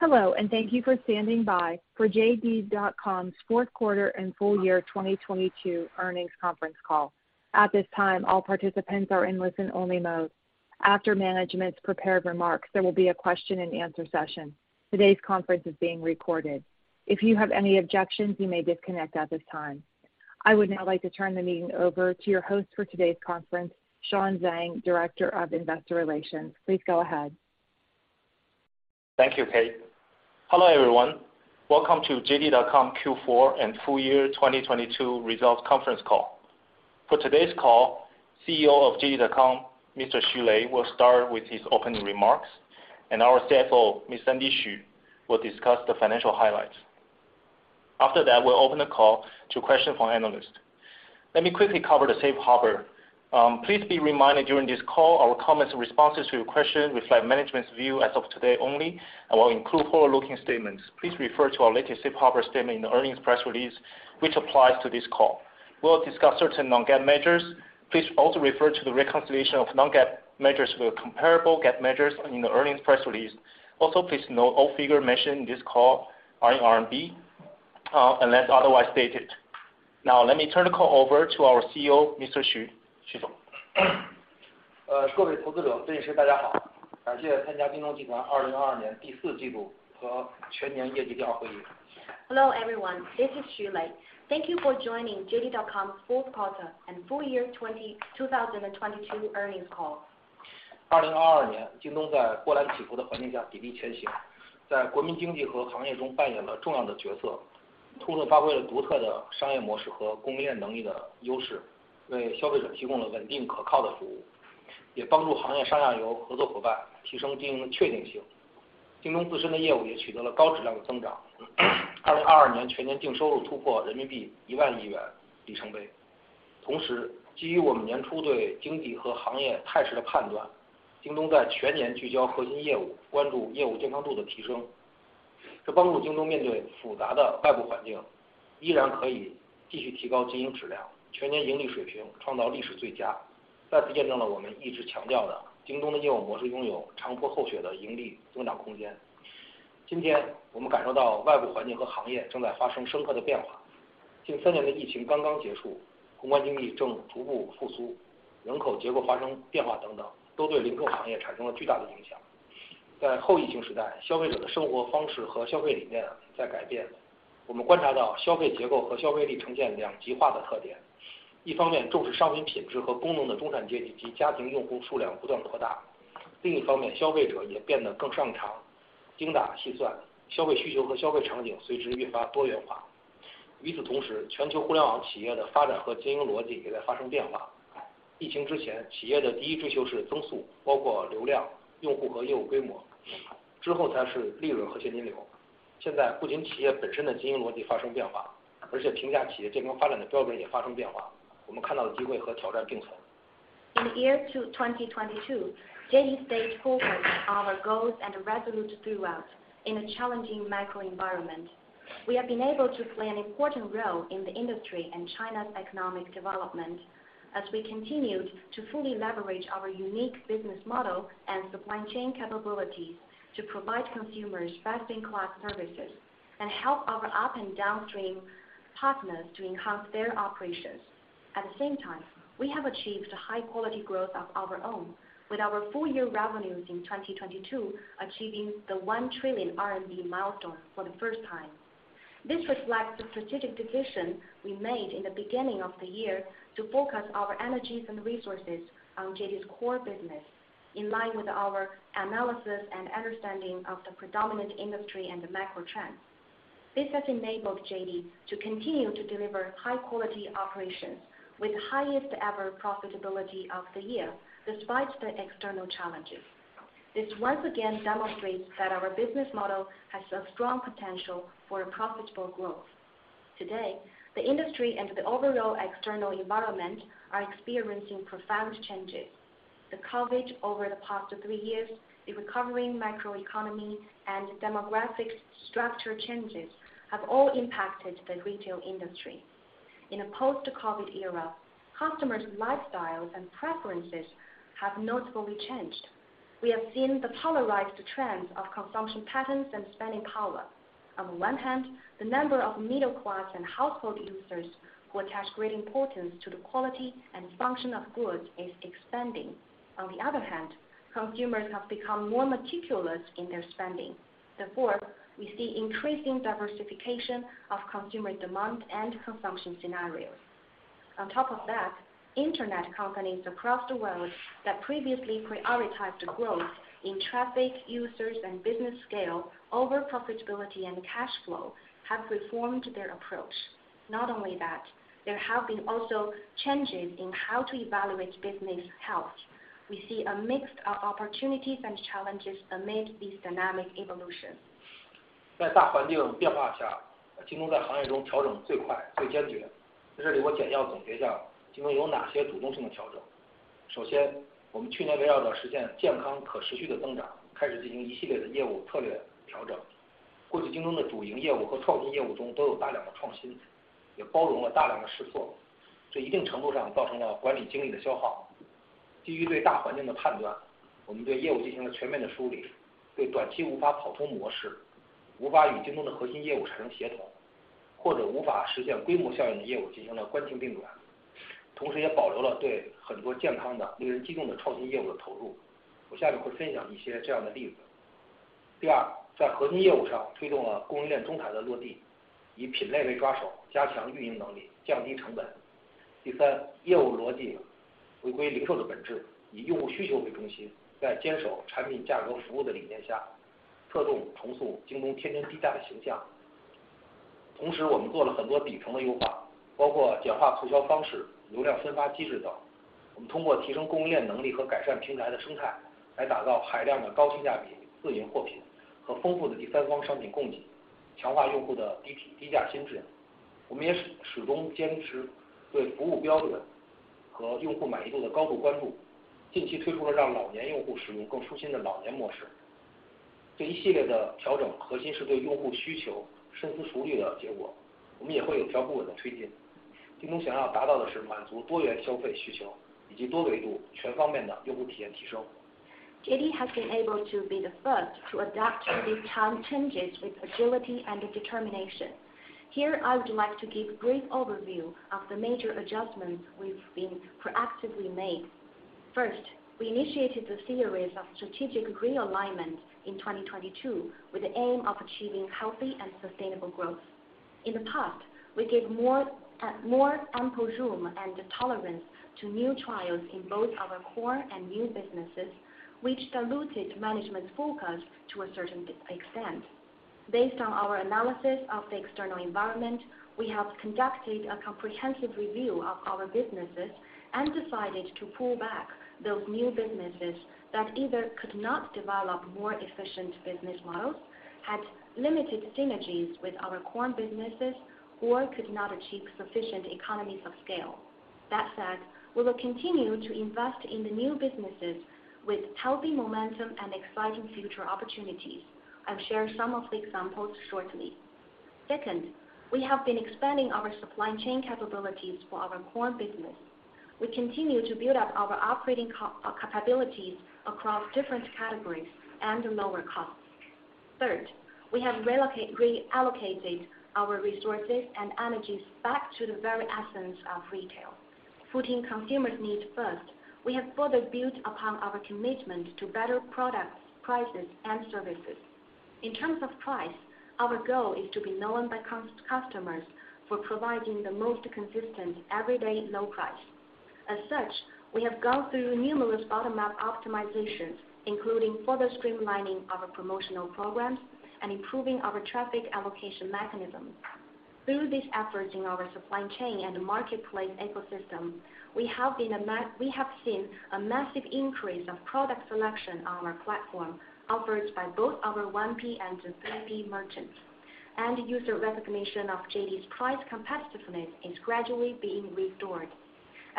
Hello, thank you for standing by for JD.com's fourth quarter and full year 2022 earnings conference call. At this time, all participants are in listen only mode. After management's prepared remarks, there will be a question and answer session. Today's conference is being recorded. If you have any objections, you may disconnect at this time. I would now like to turn the meeting over to your host for today's conference, Sean Zhang, Director of Investor Relations. Please go ahead. Thank you, Kate. Hello, everyone. Welcome to JD.com Q4 and full year 2022 results conference call. For today's call, CEO of JD.com, Mr. Xu Lei, will start with his opening remarks. Our CFO, Ms. Sandy Xu, will discuss the financial highlights. After that, we'll open the call to questions from analysts. Let me quickly cover the Safe Harbor Please be reminded during this call, our comments in responses to your questions reflect management's view as of today only and will include forward-looking statements. Please refer to our latest safe harbor statement in the earnings press release, which applies to this call. We'll discuss certain non-GAAP measures. Please also refer to the reconciliation of non-GAAP measures with comparable GAAP measures in the earnings press release. Please note all figure mentioned in this call are in RMB, unless otherwise stated. Now, let me turn the call over to our CEO, Mr. Xu. Xu 总. uh 各位投资者、分析 师， 大家 好， 感谢参加京东集团二零二二年第四季度和全年业绩电话会议。Hello, everyone. This is Xu Lei. Thank you for joining JD.com's fourth quarter and full year 2022 earnings call. 二零二二 年， 京东在波澜起伏的环境下砥砺前 行， 在国民经济和行业中扮演了重要的角 色， 充分发挥了独特的商业模式和供应链能力的优 势， 为消费者提供了稳定可靠的服 务， 也帮助行业上下游合作伙伴提升经营确定性。京东自身的业务也取得了高质量的增 长， 二零二二年全年净收入突破人民币一万亿元里程碑。同 时， 基于我们年初对经济和行业态势的判 断， 京东在全年聚焦核心业 务， 关注业务健康度的提 升， 这帮助京东面对复杂的外部环 境， 依然可以继续提高经营质量，全年盈利水平创造历史最 佳， 再次见证了我们一直强调的京东的业务模式拥有长坡厚雪的盈利增长空间。今天我们感受到外部环境和行业正在发生深刻的变化。近三年的疫情刚刚结 束， 宏观经济正逐步复 苏， 人口结构发生变化等 等， 都对零售行业产生了巨大的影响。在后疫情时 代， 消费者的生活方式和消费理念在改 变， 我们观察到消费结构和消费力呈现两极化的特点。一方 面， 重视商品品质和功能的中产阶级及家庭用户数量不断扩 大， 另一方 面， 消费者也变得更擅长精打细 算， 消费需求和消费场景随之愈发多元化。与此同 时， 全球互联网企业的发展和经营逻辑也在发生变化。疫情之 前， 企业的第一追求是增 速， 包括流量、用户和业务规 模， 之后才是利润和现金流。现在不仅企业本身的经营逻辑发生变 化， 而且评价企业健康发展的标准也发生变化。我们看到的机会和挑战并存。In the year 2022, JD stayed focused on our goals and resolute throughout in a challenging macro environment. We have been able to play an important role in the industry and China's economic development as we continued to fully leverage our unique business model and supply chain capabilities to provide consumers best-in-class services and help our up- and downstream partners to enhance their operations. At the same time, we have achieved a high-quality growth of our own with our full year revenues in 2022 achieving the 1 trillion RMB milestone for the first time. This reflects the strategic decision we made in the beginning of the year to focus our energies and resources on JD's core business in line with our analysis and understanding of the predominant industry and the macro trends. This has enabled JD to continue to deliver high-quality operations with highest-ever profitability of the year despite the external challenges. This once again demonstrates that our business model has a strong potential for profitable growth. Today, the industry and the overall external environment are experiencing profound changes. The coverage over the past three years, the recovering macroeconomy and demographic structure changes have all impacted the retail industry. In a post-COVID era, customers' lifestyles and preferences have notably changed. We have seen the polarized trends of consumption patterns and spending power. On one hand, the number of middle-class and household users who attach great importance to the quality and function of goods is expanding. On the other hand, consumers have become more meticulous in their spending. Therefore, we see increasing diversification of consumer demand and consumption scenarios. On top of that, Internet companies across the world that previously prioritized growth in traffic users and business scale over profitability and cash flow have reformed their approach. Not only that, there have been also changes in how to evaluate business health. We see a mix of opportunities and challenges amid this dynamic evolution. 在大环境变化 下， 京东在行业中调整最快、最坚决。在这里我简要总结下京东有哪些主动性的调整。首 先， 我们去年围绕着实现健康可持续的增 长， 开始进行一系列的业务策略调整。过去京东的主营业务和创新业务中都有大量的创 新， 也包容了大量的试 错， 这一定程度上造成了管理精力的消耗。基于对大环境的判 断， 我们对业务进行了全面的梳 理， 对短期无法跑通模式，无法与京东的核心业务产生协 同， 或者无法实现规模效应的业务进行了关停并 转， 同时也保留了对很多健康的、令人激动的创新业务的投入。我下面会分享一些这样的例子。第 二， 在核心业务上推动了供应链中台的落 地， 以品类为抓 手， 加强运营能 力， 降低成本。第 三， 业务逻辑回归零售的本 质， 以用户需求为中 心， 在坚守产品价格服务的理念下，推动重塑京东天天低价的形象。同时我们做了很多底层的优 化， 包括简化促销方式、流量分发机制等。我们通过提升供应链能力和改善平台的生态来打造海量的高性价比自营货品和丰富的第三方商品供 给， 强化用户的低频低价心智。我们也始终坚持对服务标准和用户满意度的高度关注。近期推出了让老年用户使用更舒心的老年模式。这一系列的调整核心是对用户需求深思熟虑的结 果， 我们也会有条不紊地推进。京东想要达到的是满足多元消费需 求， 以及多维度全方面的用户体验提升。接下来我跟大家分享一下 Q4 其他的主要进展。在稍微不景气的环境 中， 京东更加关注用户的获取效率和可持续 性， 关注用户质量的提升。在整体用户规模保持相对稳定的基础 上， DAU 保持同比双位数的增 长， 并且用户结构和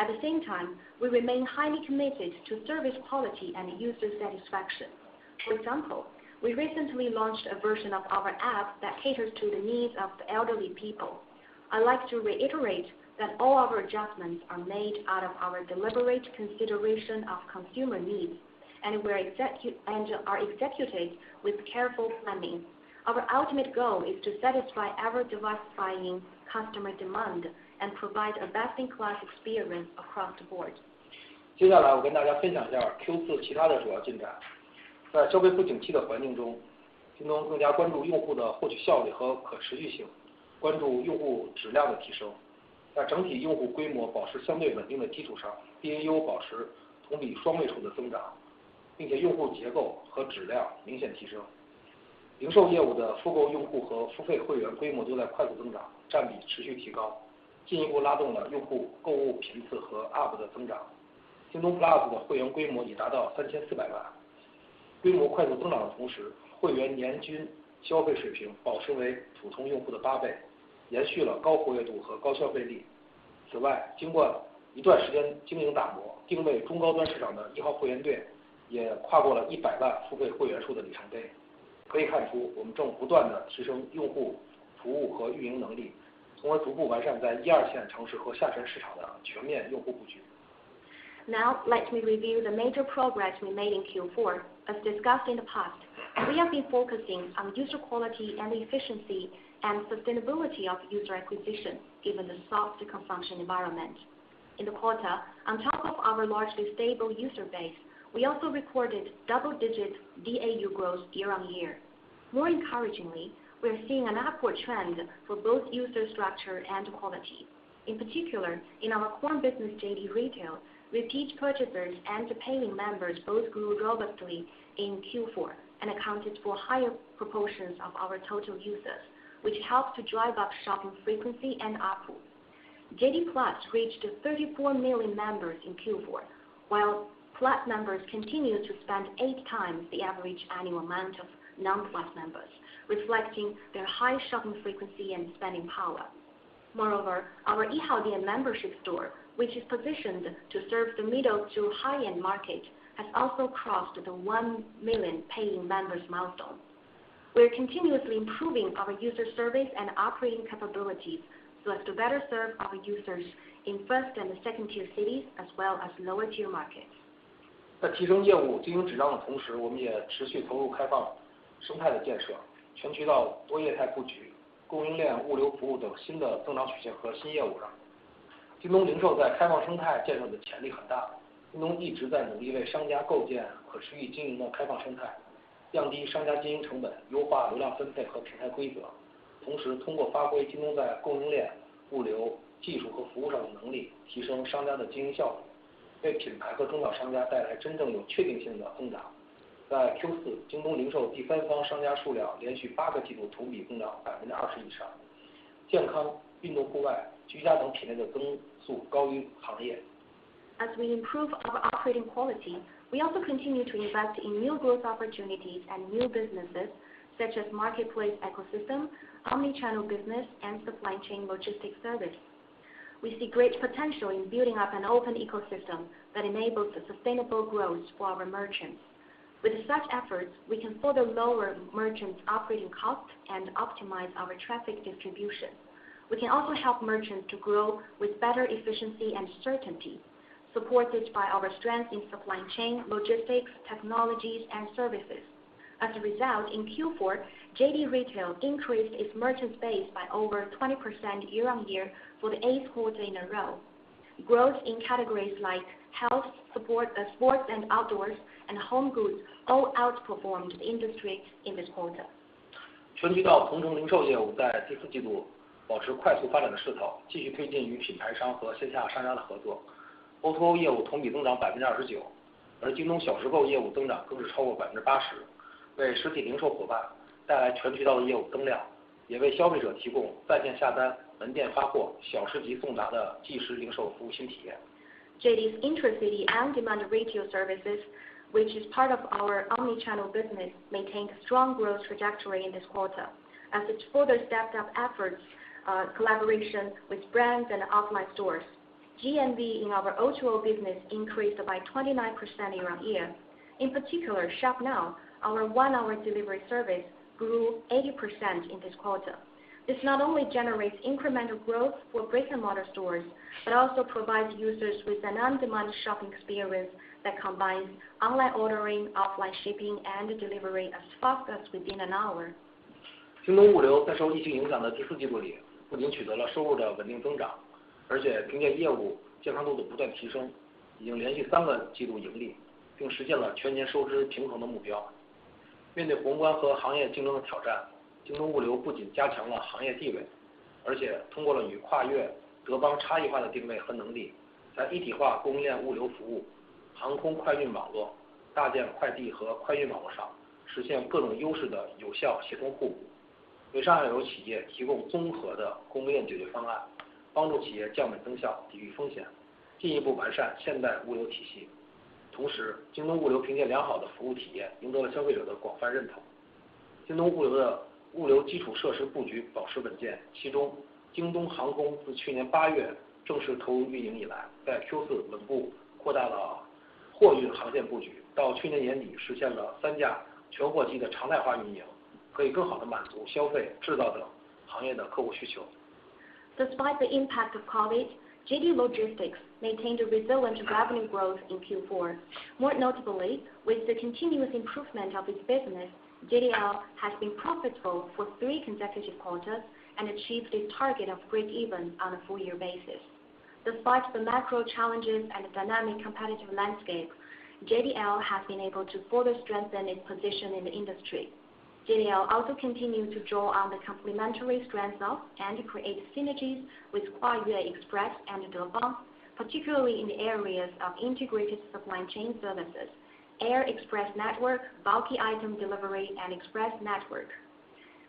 质量明显提升。零售业务的复购用户和付费会员规模都在快速增 长， 占比持续提 高， 进一步拉动了用户购物频次和 ARPU 的增长。JD PLUS 的会员规模已达到34 million。规模快速增长的同 时， 会员年均消费水平保持为普通用户的8 times， 延续了高活跃度和高消费力。此 外， 经过一段时间经营打 磨， 定位中高端市场的易豪会员店也跨过了1 million 付费会员数的里程碑。可以看 出， 我们正不断地提升用户服务和运营能力，从而逐步完善在一二线城市和下沉市场的全面用户布局。Now let me review the major progress we made in Q4. As discussed in the past, we have been focusing on user quality and efficiency and sustainability of user acquisition given the softer consumption environment. In the quarter, on top of our largely stable user base, we also recorded double-digit DAU growth year-on-year. More encouragingly, we are seeing an upward trend for both user structure and quality. In particular, in our com business JD Retail, repeat purchases and payment members both grew robustly in Q4 and accounted for higher proportions of our total users, which helped to drive up shopping frequency and ARPU. JD Plus reached 34 million members in Q4, while plus members continue to spend 8x the average annual amount of non-plus members, reflecting their high shopping frequency and spending power. Moreover, our Yihaodian Membership Store, which is positioned to serve the middle to high-end market, has also crossed the one million paying members milestone. We are continuously improving our user service and operating capabilities so as to better serve our users in first and the second tier cities, as well as lower tier markets. 在提升业务经营质量的同 时， 我们也持续投入开放生态的建 设， 全渠道多业态布局、供应链物流服务等新的增长曲线和新业务上。JD Retail 在开放生态建设的潜力很 大， JD.com 一直在努力为商家构建可持续经营的开放生 态， 降低商家经营成 本， 优化流量分配和平台规则。同时通过发挥 JD.com 在供应链、物流、技术和服务上的能 力， 提升商家的经营效 果， 为品牌和中小商家带来真正有确定性的增长。在 Q4， JD Retail 第三方商家数量连续8个季度同比增长 20% 以上。健康、运动户外、居家等品类的增速高于行业。As we improve our operating quality, we also continue to invest in new growth opportunities and new businesses such as marketplace ecosystem, omni-channel business and supply chain logistics service. We see great potential in building up an open ecosystem that enables the sustainable growth for our merchants. With such efforts, we can further lower merchants' operating costs and optimize our traffic distribution. We can also help merchants to grow with better efficiency and certainty, supported by our strength in supply chain logistics, technologies and services. As a result, in Q4, JD Retail increased its merchant base by over 20% year-on-year for the eighth quarter in a row. Growth in categories like health, sports and outdoors and home goods all outperformed the industry in this quarter. 全渠道同城零售业务在 fourth quarter 保持快速发展的势 头， 继续推进与品牌商和线下商家的合 作. O2O 业务同比增长 29%， 而京东小时购业务增长更是超过 80%， 为实体零售伙伴带来全渠道的业务增 量， 也为消费者提供在线下单、门店发货、小时级送达的即时零售服务新体 验. JD's intra-city on-demand retail services, which is part of our omni-channel business, maintained a strong growth trajectory in this quarter as it further stepped up efforts, collaboration with brands and offline stores. GMV in our O2O business increased by 29% year-on-year. In particular, Shop Now, our one-hour delivery service, grew 80% in this quarter. This not only generates incremental growth for brick-and-mortar stores, but also provides users with an on-demand shopping experience that combines online ordering, offline shipping and delivery as fast as within an hour. JD Logistics 在受疫情影响的第四季度 里， 不仅取得了收入的稳定增 长， 而且凭借业务健康度的不断提 升， 已经连续3个季度盈 利， 并实现了全年收支平衡的目标。面对宏观和行业竞争的挑 战， JD Logistics 不仅加强了行业地 位， 而且通过了与 Kuayue Express、Deppon 差异化的定位和能 力， 在一体化供应链物流服务、航空快运网络、搭建快递和快运网络上实现各种优势的有效协同互 补， 为上下游企业提供综合的供应链解决方 案， 帮助企业降本增 效， 抵御风 险， 进一步完善现代物流体系。同 时， JD Logistics 凭借良好的服务体验赢得了消费者的广泛认同。JD Logistics 的物流基础设施布局保持稳 健， 其中 JD Airlines 自去年 August 正式投入运营以 来， 在 Q4 稳步扩大了货运航线布 局， 到去年年底实现了3架全货机的常态化运 营， 可以更好地满足消费制造等行业的客户需求。Despite the impact of COVID, JD Logistics maintained a resilient revenue growth in Q4. More notably, with the continuous improvement of its business, JDL has been profitable for three consecutive quarters and achieved a target of break even on a full year basis. Despite the macro challenges and the dynamic competitive landscape, JDL has been able to further strengthen its position in the industry. JDL also continue to draw on the complementary strengths of and create synergies with Kuayue Express and Deppon, particularly in the areas of integrated supply chain services, air express network, bulky item delivery and express network.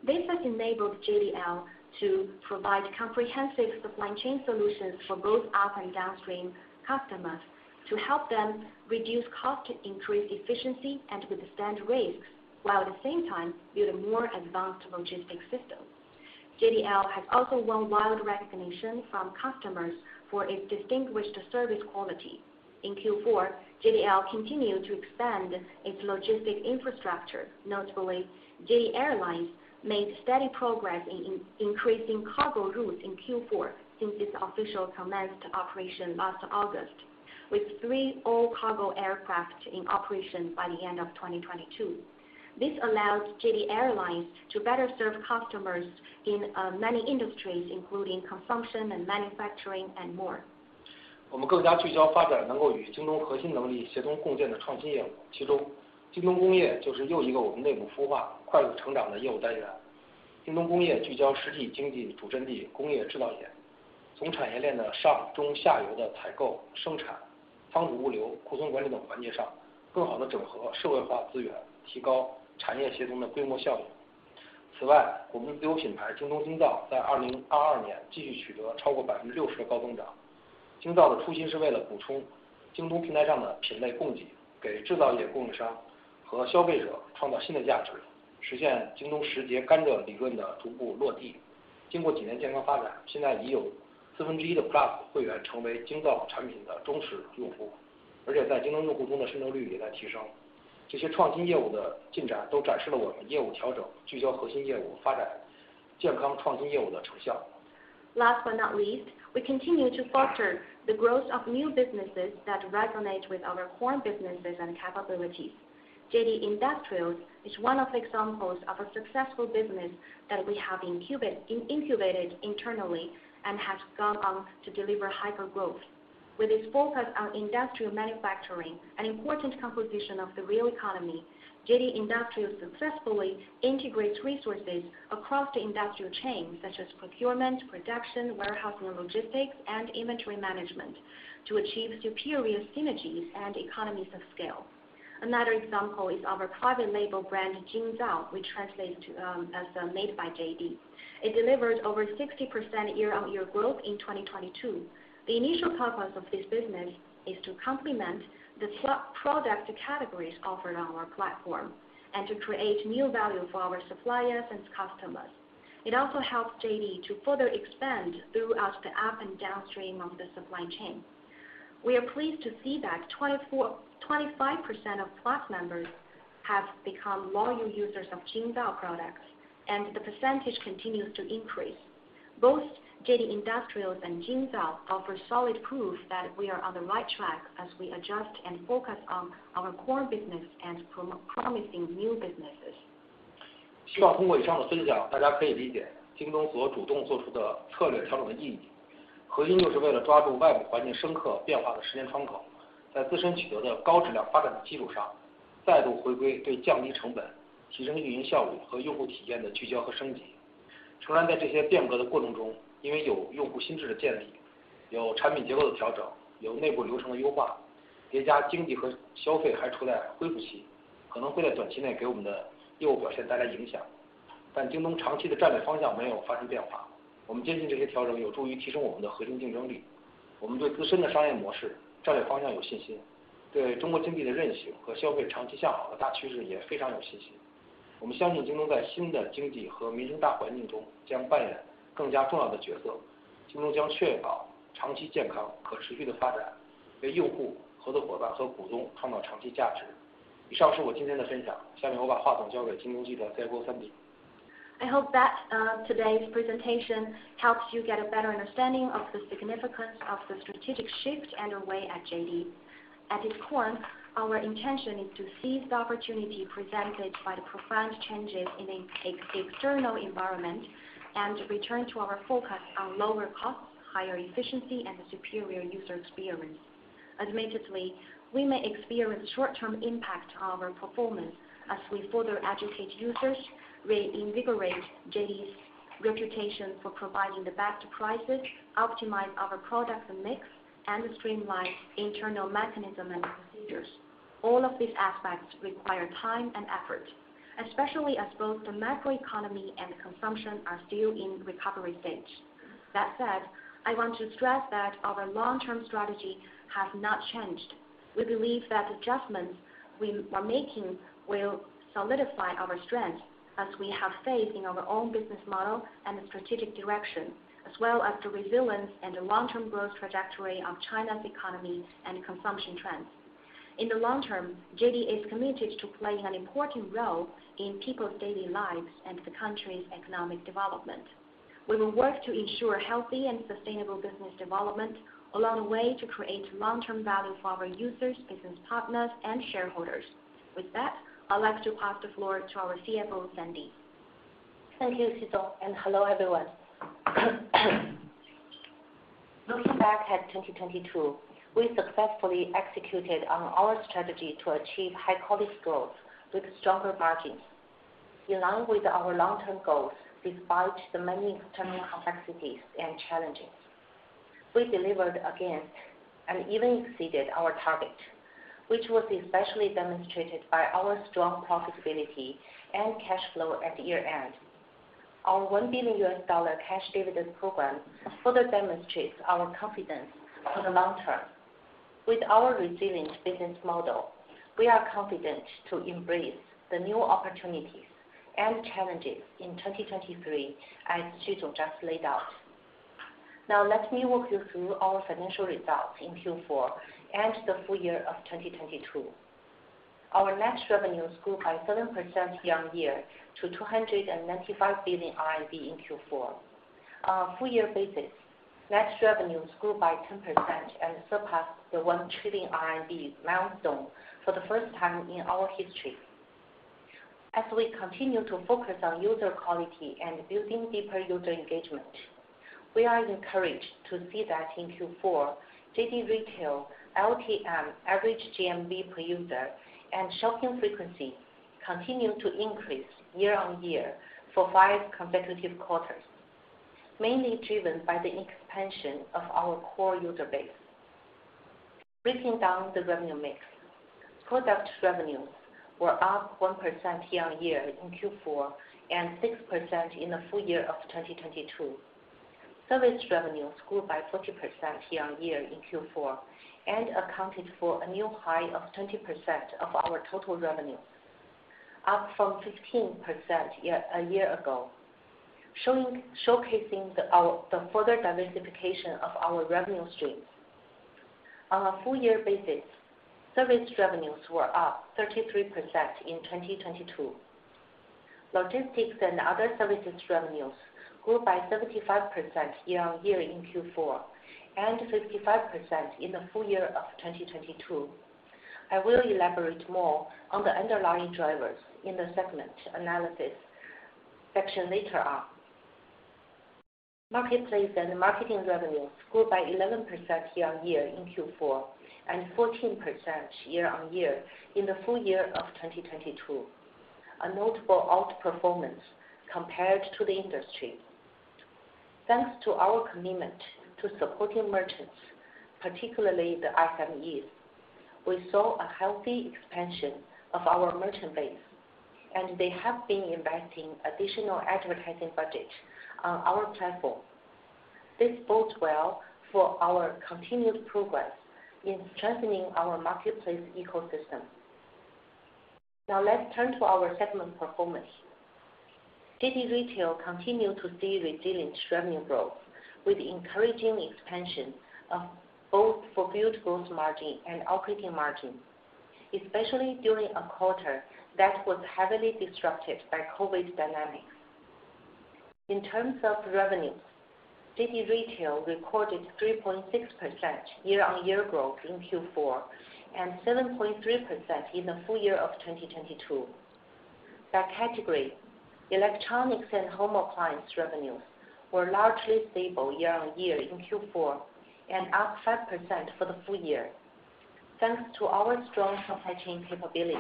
This has enabled JDL to provide comprehensive supply chain solutions for both up and downstream customers to help them reduce cost, increase efficiency and withstand risks, while at the same time build a more advanced logistics system. JDL has also won wide recognition from customers for its distinguished service quality. In Q4, JDL continued to expand its logistics infrastructure. Notably, JD Airlines made steady progress in increasing cargo routes in Q4 since its official commenced operation last August, with three all cargo aircraft in operation by the end of 2022. This allows JD Airlines to better serve customers in many industries, including consumption and manufacturing and more. 我们更加聚焦发展能够与京东核心能力协同共建的创新业务。其中京东工业就是又一个我们内部孵化快速成长的业务单元。京东工业聚焦实体经济主阵地工业制造 业， 从产业链的上、中、下游的采购、生产、仓储、物流、库存管理等环节 上， 更好地整合社会化资 源， 提高产业协同的规模效应。此 外， 我们的自有品牌京东京造在2022年继续取得超过百分之六十的高增长。京造的初心是为了补充京东平台上的品类供 给， 给制造业供应商和消费者创造新的价 值， 实现京东实业干掉理论的逐步落地。经过几年健康发 展， 现在已有四分之一的 Plus 会员成为京造产品的忠实用户。Last but not least, we continue to foster the growth of new businesses that resonate with our core businesses and capabilities. JD Industrials is one of the examples of a successful business that we have incubated internally and has gone on to deliver hypergrowth. With its focus on industrial manufacturing, an important composition of the real economy, JD Industrials successfully integrates resources across the industrial chain, such as procurement, production, warehouse and logistics, and inventory management to achieve superior synergies and economies of scale. Another example is our private label brand, Jingzao, which translates as Made by JD. It delivered over 60% year-on-year growth in 2022. The initial purpose of this business is to complement the product categories offered on our platform, and to create new value for our suppliers and customers. It also helps JD to further expand throughout the up and downstream of the supply chain. We are pleased to see that 25% of Plus members have become loyal users of Jingzao products, and the percentage continues to increase. Both JD Industrials and Jingzao offer solid proof that we are on the right track as we adjust and focus on our core business and promising new businesses. I hope that today's presentation helps you get a better understanding of the significance of the strategic shift underway at JD. At its core, our intention is to seize the opportunity presented by the profound changes in external environment, and return to our focus on lower costs, higher efficiency, and superior user experience. Admittedly, we may experience short-term impact to our performance as we further educate users, re-invigorate JD's reputation for providing the best prices, optimize our product mix, and streamline internal mechanism and procedures. All of these aspects require time and effort, especially as both the macroeconomy and consumption are still in recovery stage. That said, I want to stress that our long-term strategy has not changed. We believe that the adjustments we are making will solidify our strength as we have faith in our own business model and the strategic direction, as well as the resilience and the long-term growth trajectory of China's economy and consumption trends. In the long term, JD is committed to playing an important role in people's daily lives and the country's economic development. We will work to ensure healthy and sustainable business development along the way to create long-term value for our users, business partners, and shareholders. With that, I'd like to pass the floor to our CFO, Sandy. Thank you, Xu. Hello, everyone. Looking back at 2022, we successfully executed on our strategy to achieve high-quality growth with stronger margins, along with our long-term goals despite the many external complexities and challenges. We delivered against and even exceeded our target, which was especially demonstrated by our strong profitability and cash flow at the year-end. Our $1 billion cash dividend program further demonstrates our confidence for the long term. With our resilient business model, we are confident to embrace the new opportunities and challenges in 2023, as Xu just laid out. Now, let me walk you through our financial results in Q4 and the full year of 2022. Our net revenues grew by 7% year-on-year to 295 billion RMB in Q4. On a full year basis, net revenues grew by 10% and surpassed the 1 trillion RMB milestone for the first time in our history. As we continue to focus on user quality and building deeper user engagement, we are encouraged to see that in Q4, JD Retail LTM average GMV per user and shopping frequency continued to increase year-on-year for five consecutive quarters, mainly driven by the expansion of our core user base. Breaking down the revenue mix, product revenues were up 1% year-on-year in Q4 and 6% in the full year of 2022. Service revenues grew by 40% year-on-year in Q4 and accounted for a new high of 20% of our total revenue, up from 15% a year ago. Showcasing the further diversification of our revenue streams. On a full year basis, service revenues were up 33% in 2022. Logistics and other services revenues grew by 75% year-on-year in Q4, and 55% in the full year of 2022. I will elaborate more on the underlying drivers in the segment analysis section later on. Marketplace and marketing revenues grew by 11% year-on-year in Q4, and 14% year-on-year in the full year of 2022. A notable outperformance compared to the industry. Thanks to our commitment to supporting merchants, particularly the SMEs. We saw a healthy expansion of our merchant base, and they have been investing additional advertising budget on our platform. This bodes well for our continued progress in strengthening our marketplace ecosystem. Now let's turn to our segment performance. JD Retail continued to see resilient revenue growth with encouraging expansion of both fulfilled gross margin and operating margin, especially during a quarter that was heavily disrupted by COVID dynamics. In terms of revenue, JD Retail recorded 3.6% year-on-year growth in Q4 and 7.3% in the full year of 2022. By category, electronics and home appliance revenues were largely stable year-on-year in Q4 and up 5% for the full year. Thanks to our strong supply chain capability,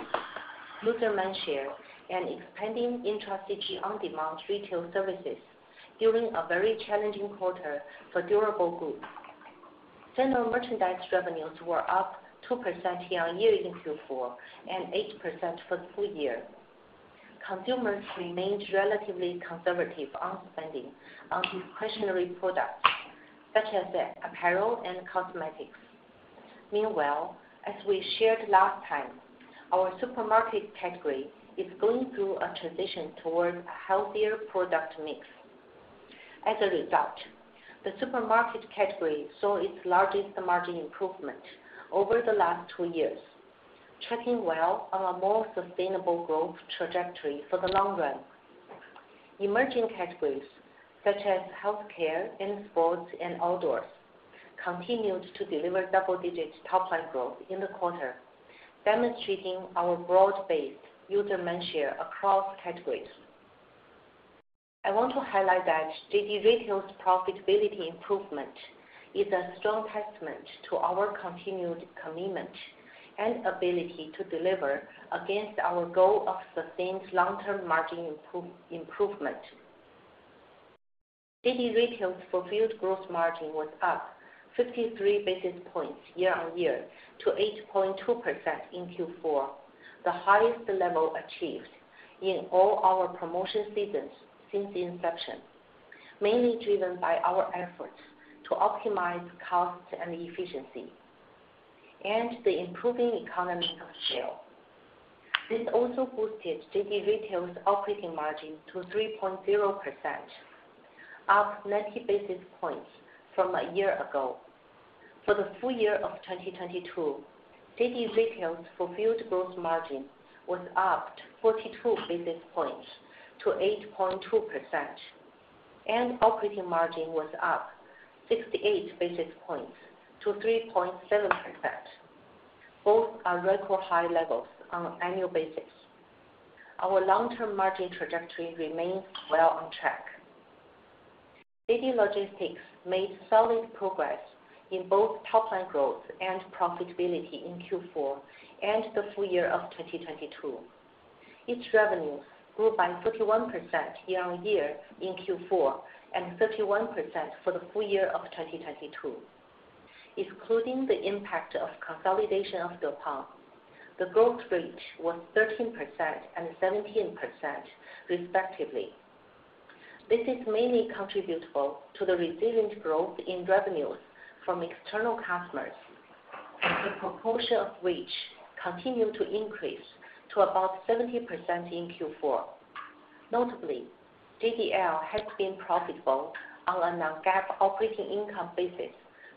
user mindshare, and expanding intra-city on-demand retail services during a very challenging quarter for durable goods. General merchandise revenues were up 2% year-on-year in Q4 and 8% for the full year. Consumers remained relatively conservative on spending on discretionary products such as apparel and cosmetics. Meanwhile, as we shared last time, our supermarket category is going through a transition toward a healthier product mix. As a result, the supermarket category saw its largest margin improvement over the last two years, tracking well on a more sustainable growth trajectory for the long run. Emerging categories such as healthcare and sports and outdoors continued to deliver double-digit top line growth in the quarter, demonstrating our broad-based user mindshare across categories. I want to highlight that JD Retail's profitability improvement is a strong testament to our continued commitment and ability to deliver against our goal of sustained long-term margin improvement. JD Retail's fulfilled gross margin was up 53 basis points year-on-year to 8.2% in Q4, the highest level achieved in all our promotion seasons since the inception. Mainly driven by our efforts to optimize costs and efficiency, and the improving economy of scale. This also boosted JD Retail's operating margin to 3.0%, up 90 basis points from a year-ago. For the full year of 2022, JD Retail's fulfilled gross margin was up 42 basis points to 8.2%, and operating margin was up 68 basis points to 3.7%. Both are record high levels on an annual basis. Our long-term margin trajectory remains well on track. JD Logistics made solid progress in both top line growth and profitability in Q4 and the full year of 2022. Its revenue grew by 31% year-on-year in Q4, and 31% for the full year of 2022. Excluding the impact of consolidation of Deppon, the growth rate was 13% and 17% respectively. This is mainly contributable to the resilient growth in revenues from external customers, and the proportion of which continued to increase to about 70% in Q4. Notably, JDL has been profitable on a non-GAAP operating income basis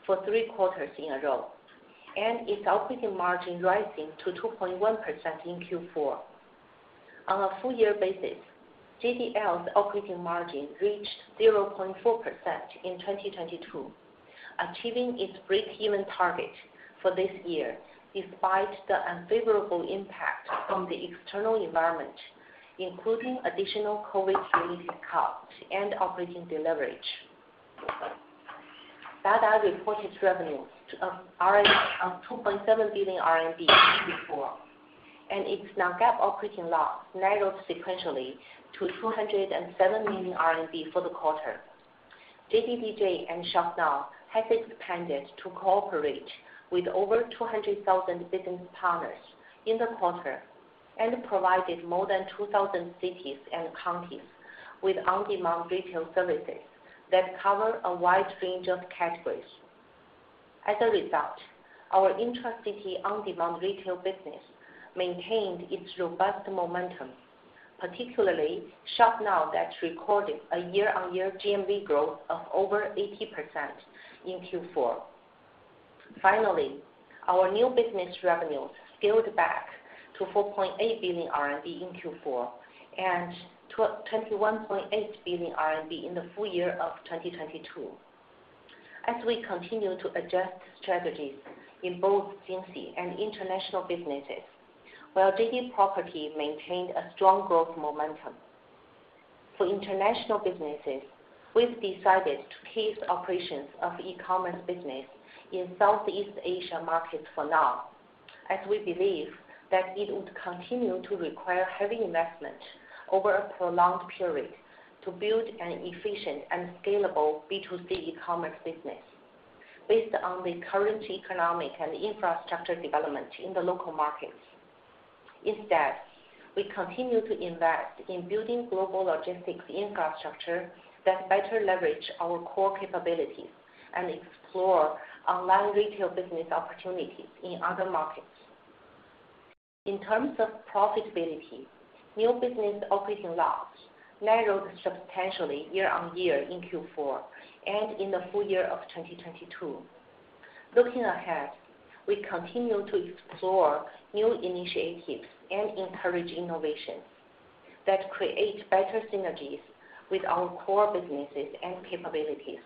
for 3 quarters in a row, and its operating margin rising to 2.1% in Q4. On a full year basis, JDL's operating margin reached 0.4% in 2022, achieving its breakeven target for this year despite the unfavorable impact from the external environment, including additional COVID-related costs and operating deleverage. Data reported revenues of RMB 2.7 billion in Q4, and its non-GAAP operating loss narrowed sequentially to 207 million RMB for the quarter. JD Retail and Shop Now has expanded to cooperate with over 200,000 business partners in the quarter and provided more than 2,000 cities and counties with on-demand retail services that cover a wide range of categories. As a result, our intra-city on-demand retail business maintained its robust momentum, particularly Shop Now that recorded a year-on-year GMV growth of over 80% in Q4. Finally, our new business revenues scaled back to 4.8 billion RMB in Q4 and 21.8 billion RMB in the full year of 2022. As we continue to adjust strategies in both Jingxi and International businesses, while JD Property maintained a strong growth momentum. For International businesses, we've decided to cease operations of e-commerce business in Southeast Asia markets for now, as we believe that it would continue to require heavy investment over a prolonged period to build an efficient and scalable B2C e-commerce business based on the current economic and infrastructure development in the local markets. We continue to invest in building global logistics infrastructure that better leverage our core capabilities and explore online retail business opportunities in other markets. In terms of profitability, new business operating loss narrowed substantially year-on-year in Q4 and in the full year of 2022. Looking ahead, we continue to explore new initiatives and encourage innovations that create better synergies with our core businesses and capabilities.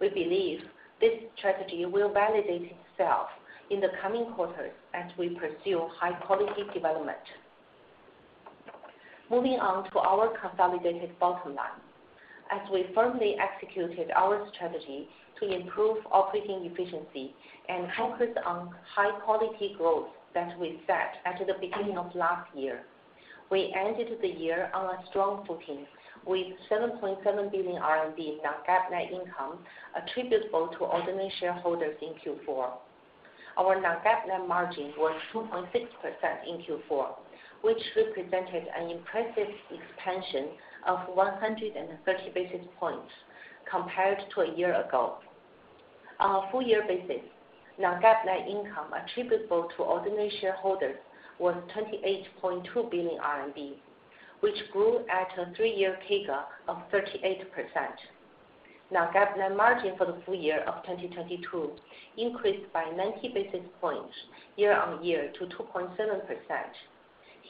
We believe this strategy will validate itself in the coming quarters as we pursue high-quality development. Moving on to our consolidated bottom line. As we firmly executed our strategy to improve operating efficiency and focused on high quality growth that we set at the beginning of last year, we ended the year on a strong footing with 7.7 billion RMB non-GAAP net income attributable to ordinary shareholders in Q4. Our non-GAAP net margin was 2.6% in Q4, which represented an impressive expansion of 130 basis points compared to a year ago. On a full year basis, non-GAAP net income attributable to ordinary shareholders was 28.2 billion RMB, which grew at a three-year CAGR of 38%. Non-GAAP net margin for the full year of 2022 increased by 90 basis points year-on-year to 2.7%,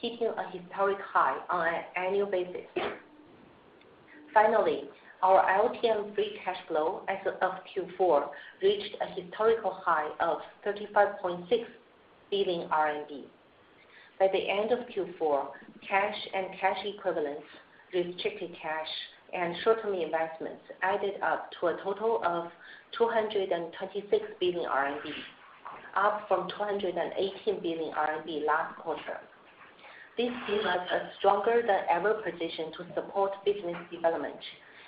hitting a historic high on an annual basis. Finally, our LTM free cash flow as of Q4 reached a historical high of 35.6 billion RMB. By the end of Q4, cash and cash equivalents, restricted cash, and short-term investments added up to a total of 226 billion RMB, up from 218 billion RMB last quarter. This gives us a stronger than ever position to support business development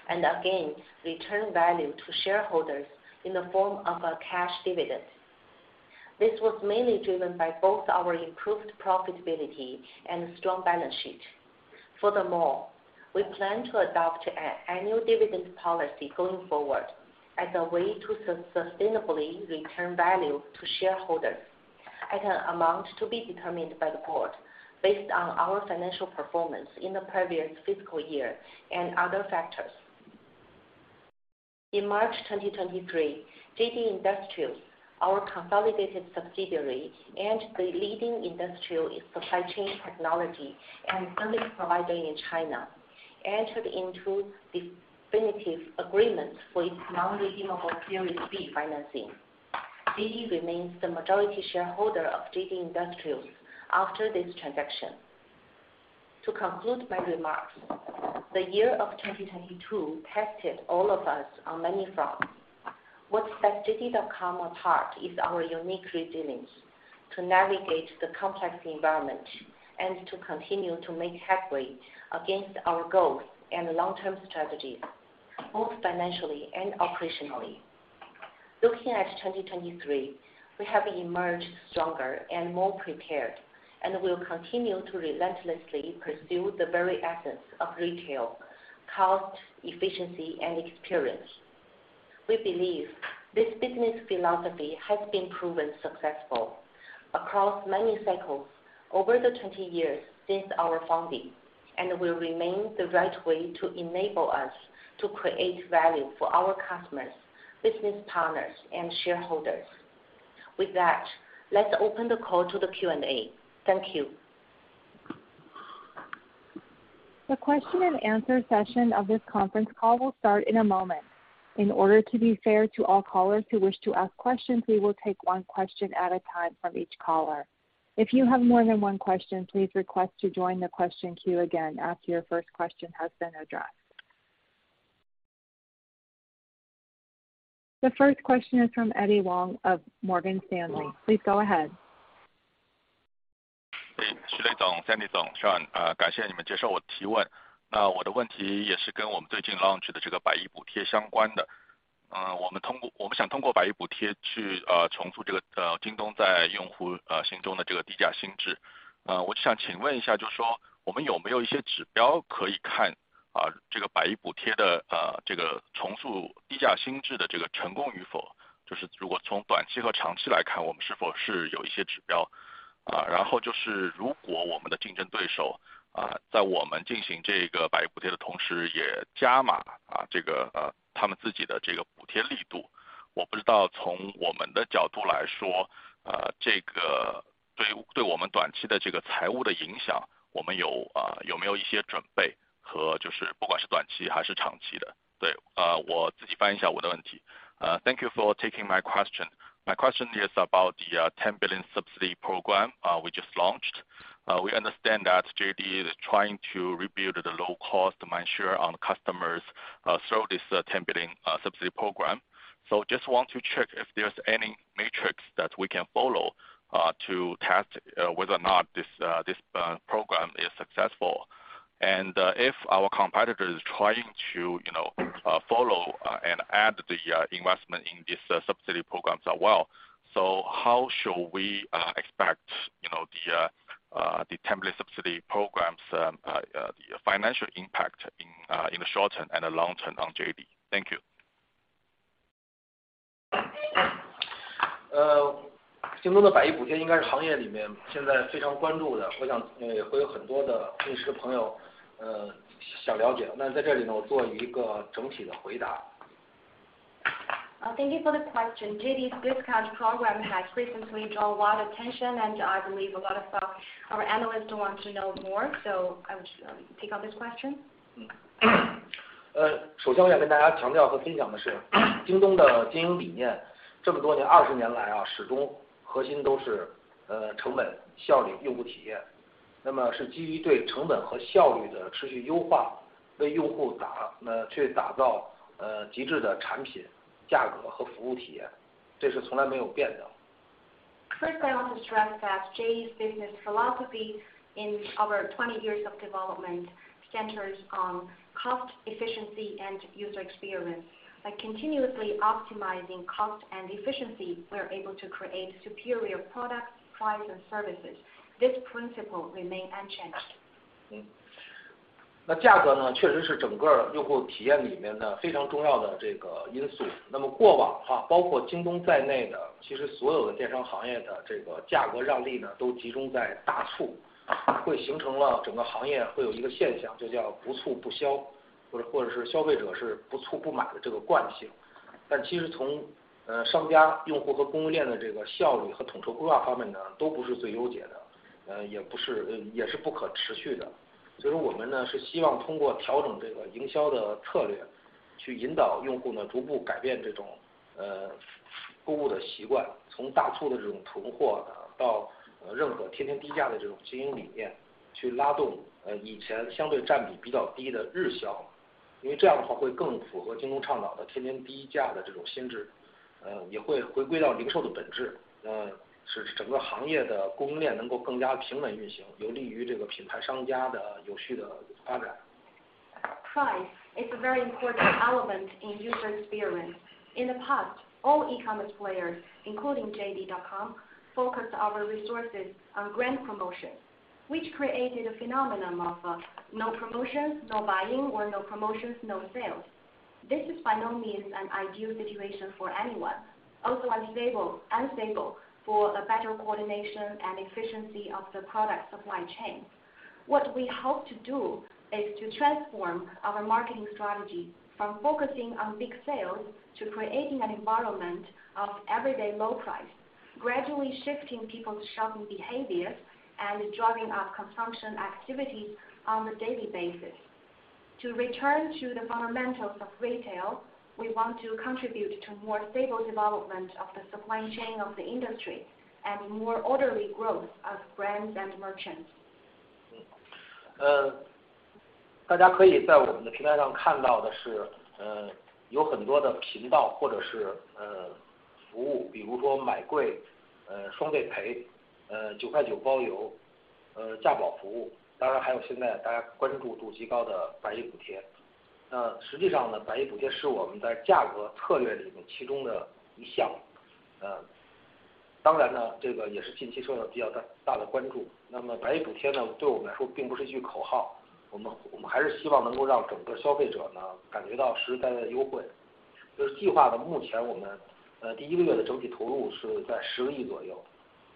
and again, return value to shareholders in the form of a cash dividend. This was mainly driven by both our improved profitability and strong balance sheet. Furthermore, we plan to adopt an annual dividend policy going forward as a way to sustainably return value to shareholders at an amount to be determined by the board based on our financial performance in the previous fiscal year and other factors. In March 2023, JD Industrials, our consolidated subsidiary and the leading industrial supply chain technology and service provider in China, entered into definitive agreement for its non-redeemable series B financing. JD remains the majority shareholder of JD Industrials after this transaction. To conclude my remarks, the year of 2022 tested all of us on many fronts. What sets JD.com apart is our unique resilience to navigate the complex environment and to continue to make headway against our goals and long-term strategies, both financially and operationally. Looking at 2023, we have emerged stronger and more prepared, we will continue to relentlessly pursue the very essence of retail, cost, efficiency, and experience. We believe this business philosophy has been proven successful across many cycles over the 20 years since our founding and will remain the right way to enable us to create value for our customers, business partners, and shareholders. With that, let's open the call to the Q&A. Thank you. The question and answer session of this conference call will start in a moment. In order to be fair to all callers who wish to ask questions, we will take one question at a time from each caller. If you have more than one question, please request to join the question queue again after your first question has been addressed. The first question is from Eddy Wang of Morgan Stanley. Please go ahead. 我们通过我们想通过百亿补贴去重塑这个京东在用户心中的这个低价心智。我就想请问一 下， 就是说我们有没有一些指标可以 看， 这个百亿补贴的这个重塑低价心智的这个成功与 否， 就是如果从短期和长期来 看， 我们是否是有一些指标。然后就是如果我们的竞争对 手， 在我们进行这个百亿补贴的同 时， 也加码这个他们自己的这个补贴力 度， 我不知道从我们的角度来 说， 这个 对， 对我们短期的这个财务的影 响， 我们有有没有一些准备和就是不管是短期还是长期 的， 对。我自己翻译一下我的问题。Thank you for taking my question. My question is about the 10 billion subsidy program we just launched. We understand that JD is trying to rebuild the low-cost mindset on customers through this 10 billion subsidy program. Just want to check if there's any matrix that we can follow, to test, whether or not this, program is successful. If our competitor is trying to, you know, follow and add the investment in this subsidy program as well. How should we expect, you know, the RMB 10 billion subsidy programs, the financial impact in the short term and the long term on JD? Thank you. 京东的百亿补贴应该是行业里面现在非常关注 的， 我想也会有很多的分析师朋 友， 想了 解， 那在这里 呢， 我做一个整体的回答。Thank you for the question. JD's discount program has recently drawn a lot of attention and I believe a lot of our analysts want to know more. I will take on this question. 呃首先我想跟大家强调和分享的 是， 京东的经营理 念， 这么多 年， 二十年来 啊， 始终核心都是 呃， 成本、效率、用户体 验， 那么是基于对成本和效率的持续优 化， 为用户 打， 去打造 呃， 极致的产品、价格和服务体 验， 这是从来没有变的。I want to stress that JD's business philosophy in our 20 years of development centers on cost, efficiency and user experience. By continuously optimizing cost and efficiency, we are able to create superior products, price and services. This principle remain unchanged. 那价格 呢， 确实是整个用户体验里面的非常重要的这个因素。那么过往 啊， 包括京东在内 的， 其实所有的电商行业的这个价格让利 呢， 都集中在大 促， 会形成了整个行业会有一个现 象， 就叫不促不 销， 或 者， 或者是消费者是不促不买的这个惯性。但其实从 呃， 商家、用户和供应链的这个效率和统筹规划方面 呢， 都不是最优解 的， 呃， 也不 是， 也是不可持续的。所以说我们 呢， 是希望通过调整这个营销的策 略， 去引导用户 呢， 逐步改变这种 呃， 购物的习 惯， 从大促的这种囤货到任何天天低价的这种经营理 念， 去拉动 呃， 以前相对占比比较低的日销，因为这样的话会更符合京东倡导的天天低价的这种心 智， 呃， 也会回归到零售的本 质， 呃， 使整个行业的供应链能够更加平稳运 行， 有利于这个品牌商家的有序的发展。Price is a very important element in user experience. In the past, all e-commerce players, including JD.com, focused our resources on grand promotions, which created a phenomenon of no promotions, no buying, or no promotions, no sales. This is by no means an ideal situation for anyone. Also unstable for a better coordination and efficiency of the product supply chain. What we hope to do is to transform our marketing strategy from focusing on big sales to creating an environment of everyday low price, gradually shifting people's shopping behaviors and driving up consumption activity on a daily basis. To return to the fundamentals of retail, we want to contribute to more stable development of the supply chain of the industry and more orderly growth of brands and merchants. 呃大家可以在我们的平台上看到的 是， 呃， 有很多的频道或者是 呃， 服 务， 比如说买贵 呃， 双倍 赔， 呃， 九块九包 邮， 呃， 价保服 务， 当然还有现在大家关注度极高的百亿补贴。那实际上 呢， 百亿补贴是我们在价格策略里面其中的一 项， 呃， 当然 呢， 这个也是近期受到比较大的关注。那么百亿补贴 呢， 对我们来说并不是一句口 号， 我 们， 我们还是希望能够让整个消费者 呢， 感觉到实实在在的优惠。就是计划呢目前我们 呃， 第一个月的整体投入是在十个亿左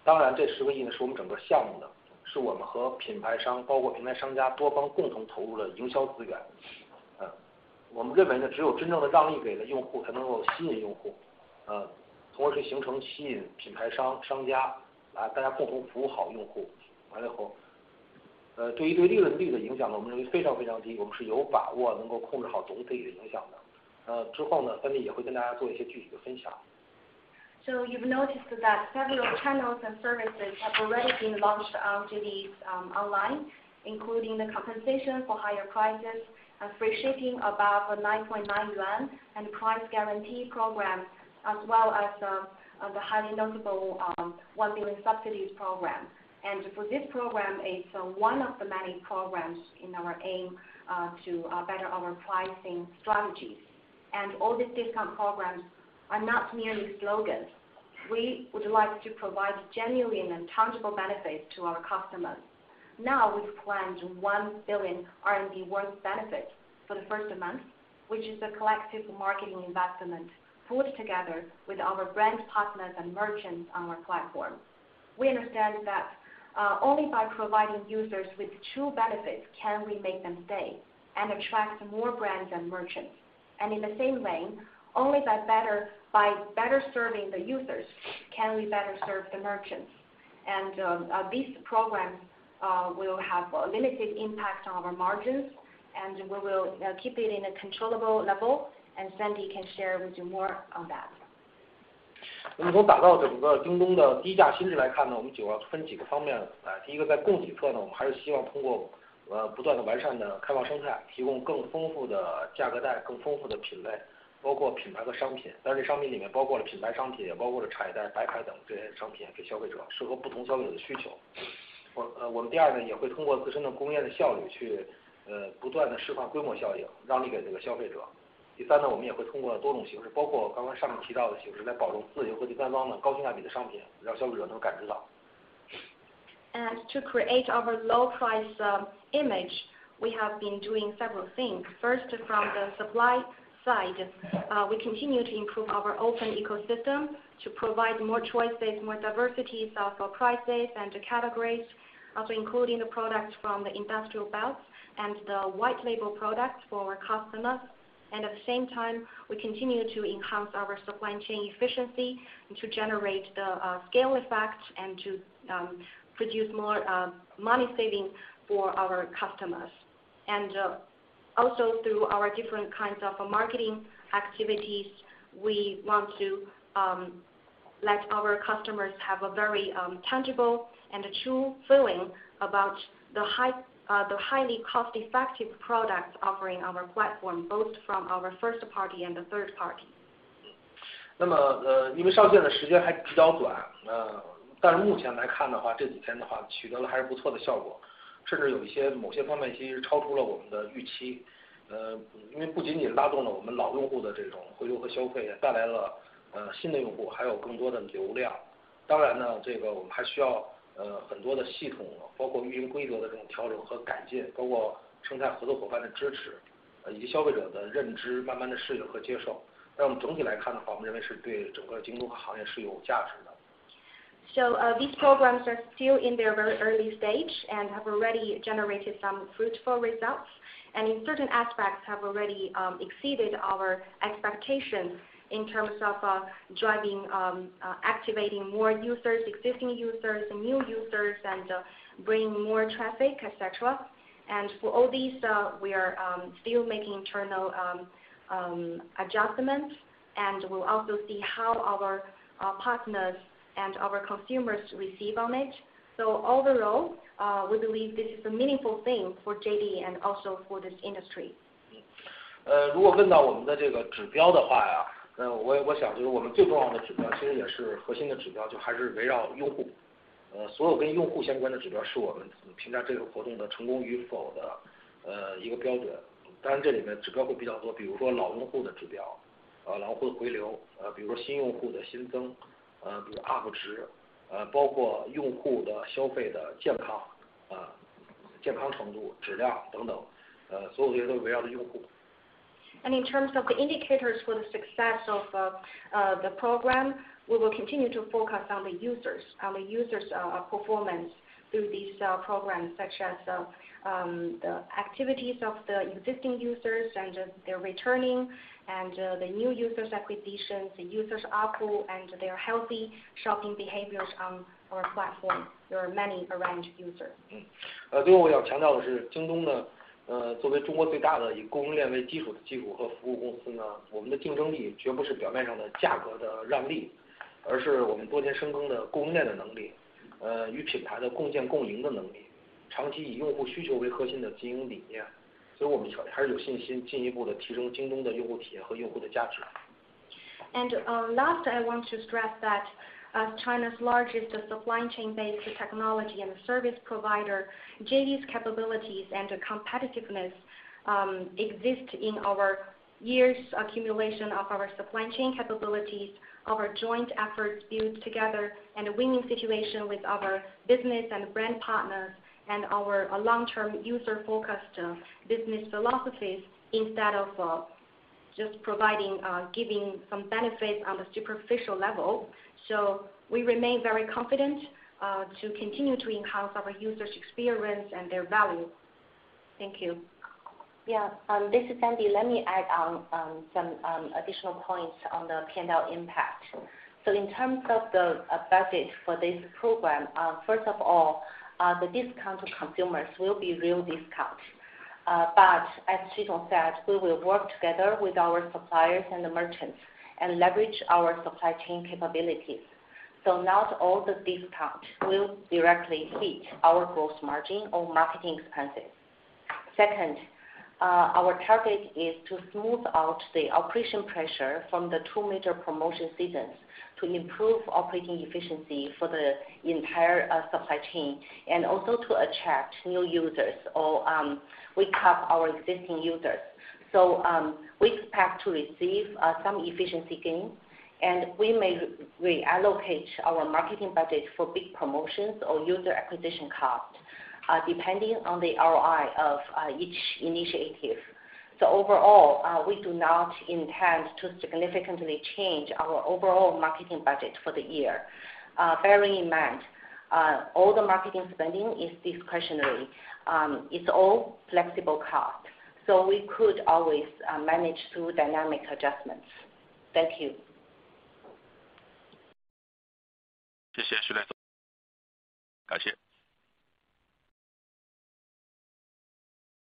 右， 当然这十个亿 呢， 是我们整个项目 的， 是我们和品牌商包括平台商家多方共同投入的营销资源。呃， 我们认为 呢， 只有真正的让利给了用 户， 才能够吸引用 户， 呃， 同时形成吸引品牌商、商家来大家共同服务好用户。完了 后， 呃， 对于对利润率的影响 呢， 我们认为非常非常 低， 我们是有把握能够控制好总体的影响的。呃， 之后 呢， 芬妮也会跟大家做一些具体的分享。You've noticed that several channels and services have already been launched on JD's online, including the compensation for higher prices, free shipping above 9.9 yuan, and price guarantee programs as well as the highly notable 1 billion subsidies program. For this program, it's one of the many programs in our aim to better our pricing strategies. All these discount programs are not merely slogans. We would like to provide genuine and tangible benefits to our customers. Now we've planned 1 billion RMB worth of benefits for the first month, which is a collective marketing investment pooled together with our brand partners and merchants on our platform. We understand that only by providing users with true benefits can we make them stay and attract more brands and merchants. In the same vein, only by better serving the users can we better serve the merchants. This program will have a limited impact on our margins, and we will keep it in a controllable level, and Sandy can share with you more on that. To create our low price image, we have been doing several things. First, from the supply side, we continue to improve our open ecosystem to provide more choices, more diversity of our prices and the categories, also including the products from the industrial belt and the white label products for our customers. At the same time, we continue to enhance our supply chain efficiency to generate the scale effects and to produce more money saving for our customers. Also through our different kinds of marketing activities, we want to let our customers have a very tangible and true feeling about the high, the highly cost-effective products offering our platform, both from our first party and the third party. These programs are still in their very early stage and have already generated some fruitful results, and in certain aspects have already exceeded our expectations in terms of driving activating more users, existing users and new users, and bringing more traffic, et cetera. For all these, we are still making internal adjustments. We'll also see how our partners and our consumers receive on it. Overall, we believe this is a meaningful thing for JD and also for this industry. In terms of the indicators for the success of the program, we will continue to focus on the users, performance through these programs, such as the activities of the existing users and their returning and the new users acquisitions, the users ARPU and their healthy shopping behaviors on our platform. There are many around users. Last, I want to stress that as China's largest supply chain-based technology and service provider, JD's capabilities and competitiveness exist in our years accumulation of our supply chain capabilities, our joint efforts built together and a winning situation with our business and brand partners and our long-term, user-focused business philosophies instead of just providing giving some benefits on the superficial level. We remain very confident to continue to enhance our users experience and their value. Thank you. Yeah. This is Sandy. Let me add some additional points on the P&L impact. In terms of the budget for this program, first of all, the discount to consumers will be real discount. As Xu Lei said, we will work together with our suppliers and the merchants and leverage our supply chain capabilities. Not all the discounts will directly hit our gross margin or marketing expenses. Second, our target is to smooth out the operational pressure from the two major promotion seasons to improve operating efficiency for the entire supply chain and also to attract new users or wake up our existing users. to receive some efficiency gains, and we may reallocate our marketing budget for big promotions or user acquisition costs, depending on the ROI of each initiative. Overall, we do not intend to significantly change our overall marketing budget for the year. Bearing in mind, all the marketing spending is discretionary. It's all flexible costs, so we could always, manage through dynamic adjustments. Thank you.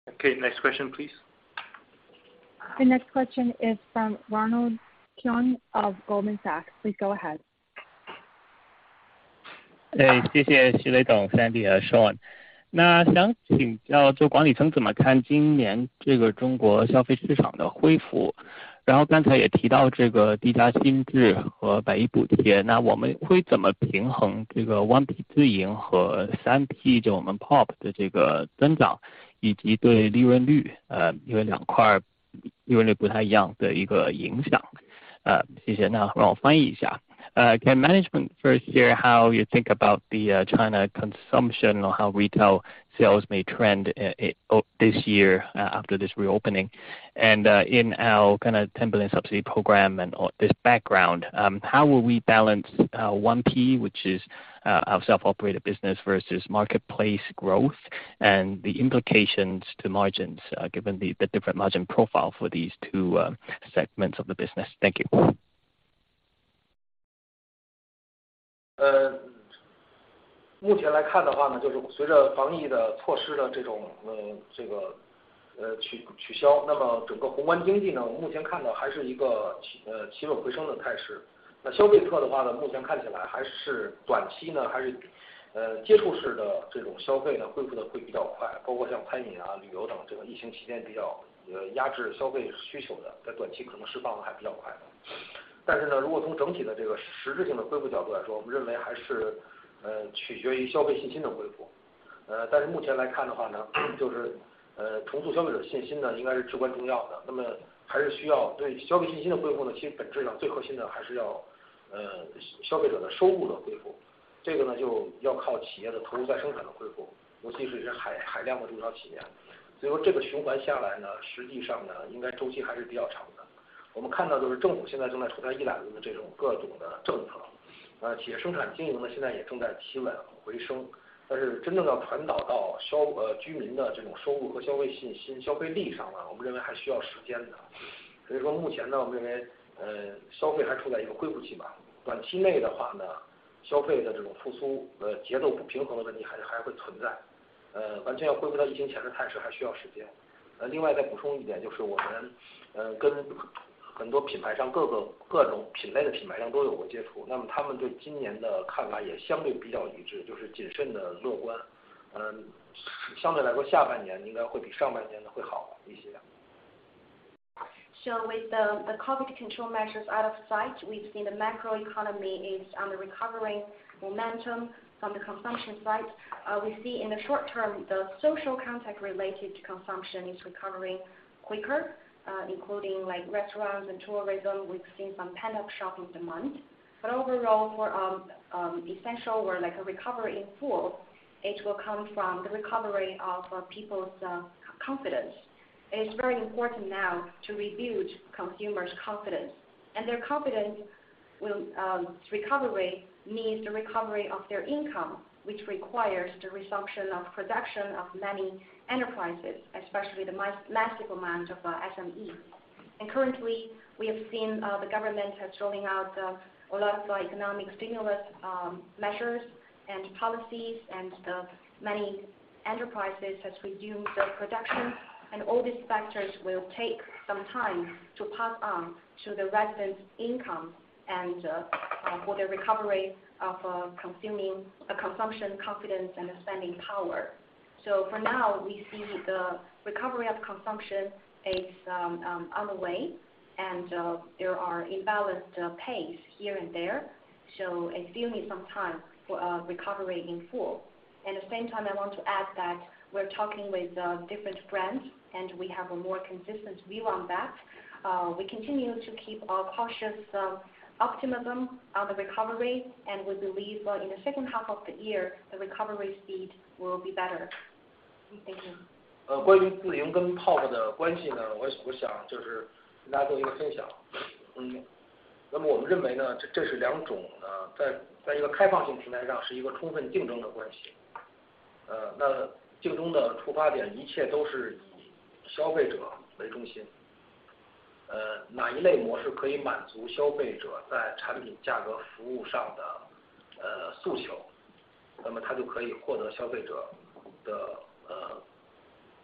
Okay. Next question, please. The next question is from Ronald Keung of Goldman Sachs. Please go ahead. 谢谢 Xu Lei, Sandy and Sean. 想请教就管理层怎么看今年这个中国消费市场的恢 复, 刚才也提到这个低价新智和 百亿补贴, 我们会怎么平衡这个 1P 自营和 3P, 就我们 POP 的这个增长以及对利润 率, 因为两块利润率不太一样的一个影 响? 谢谢. 让我翻译一 下. Can management first share how you think about the China consumption or how retail sales may trend this year after this reopening? In our kind of 10 billion subsidy program and this background, how will we balance 1P, which is our self-operated business versus marketplace growth and the implications to margins, given the different margin profile for these two segments of the business? Thank you. 目前来看的话 呢， 就是随着防疫的措施的这 种， 这 个， 取 消， 整个宏观经济 呢， 我们目前看的还是一个起死回生的态势。消费侧的话 呢， 目前看起来还是短期 呢， 还是接触式的这种消费 呢， 恢复得会比较 快， 包括像餐 饮， 旅游等这个疫情期间比较压制消费需求 的， 在短期可能释放得还比较快。如果从整体的这个实质性的恢复角度来 说， 我们认为还是取决于消费信心的恢复。但是目前来看的话 呢， 就是重塑消费者的信心 呢， 应该是至关重要 的， 还是需要对消费信心的恢复 呢， 其实本质上最核心的还是要消费者的收入的恢 复， 这个 呢， 就要靠企业的投入再生产的恢复 With the corporate control measures out of sight, we've seen the macro economy is on the recovering momentum from the consumption side. We see in the short term the social contact related consumption is recovering quicker, including like restaurants and tourism. We've seen some pent-up shopping demand. Overall, for essential or like a recovery in full, it will come from the recovery of our people's confidence. It's very important now to rebuild consumers' confidence, and their confidence will recovery needs the recovery of their income, which requires the resumption of production of many enterprises, especially the massive amount of SMEs. Currently we have seen the government has rolling out a lot of economic stimulus measures and policies, and many enterprises has resumed their production. All these factors will take some time to pass on to the residents' income and for the recovery of consumption confidence and spending power. For now, we see the recovery of consumption is on the way and there are imbalanced pace here and there, so it still need some time for recovery in full. At the same time, I want to add that we're talking with different brands and we have a more consistent view on that. We continue to keep a cautious optimism on the recovery, and we believe in the second half of the year, the recovery speed will be better. Thank you. 呃， 关于自营跟 POP 的关系 呢， 我也 想， 就是跟大家做一个分享。嗯， 那么我们认为 呢， 这-这是两 种， 呃， 在， 在一个开放性平台 上， 是一个充分竞争的关 系， 呃， 那竞争的出发点一切都是以消费者为中 心， 呃， 哪一类模式可以满足消费者在产品价格服务上 的， 呃， 诉 求， 那么它就可以获得消费者 的， 呃，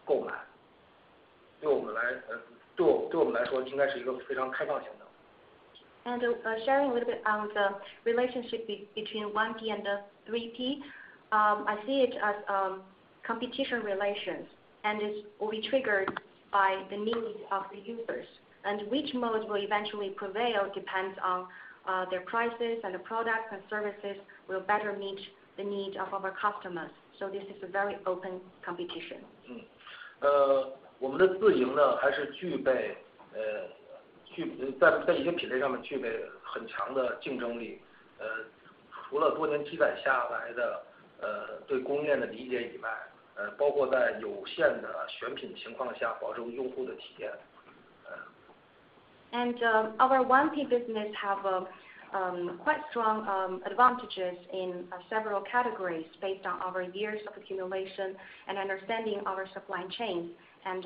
购买。对我们 来， 呃， 对 我， 对我们来说应该是一个非常开放型的。Sharing a little bit on the relationship between 1P and 3P, I see it as competition relations and is will be triggered by the needs of the users. Which mode will eventually prevail depends on their prices and the products and services will better meet the need of our customers. This is a very open competition. 我们的自营 呢， 还是具备在一些品类上面具备很强的竞争力。除了多年积攒下来 的， 对工业的理解以 外， 包括在有限的选品情况下保证用户的体验。Our 1P business have a quite strong advantages in several categories based on our years of accumulation and understanding our supply chain.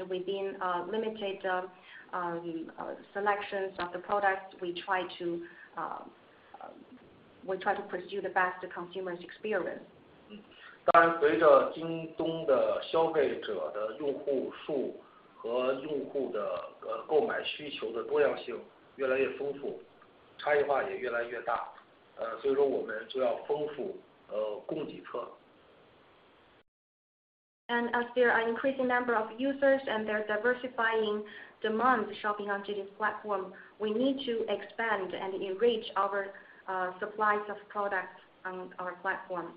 Within a limited selections of the products we try to pursue the best consumers experience. 当 然， 随着京东的消费者的用户数和用户的购买需求的多样性越来越丰 富， 差异化也越来越 大， 所以说我们就要丰 富， 供给侧。As there are increasing number of users and they're diversifying demand shopping on JD's platform, we need to expand and enrich our supplies of products on our platform.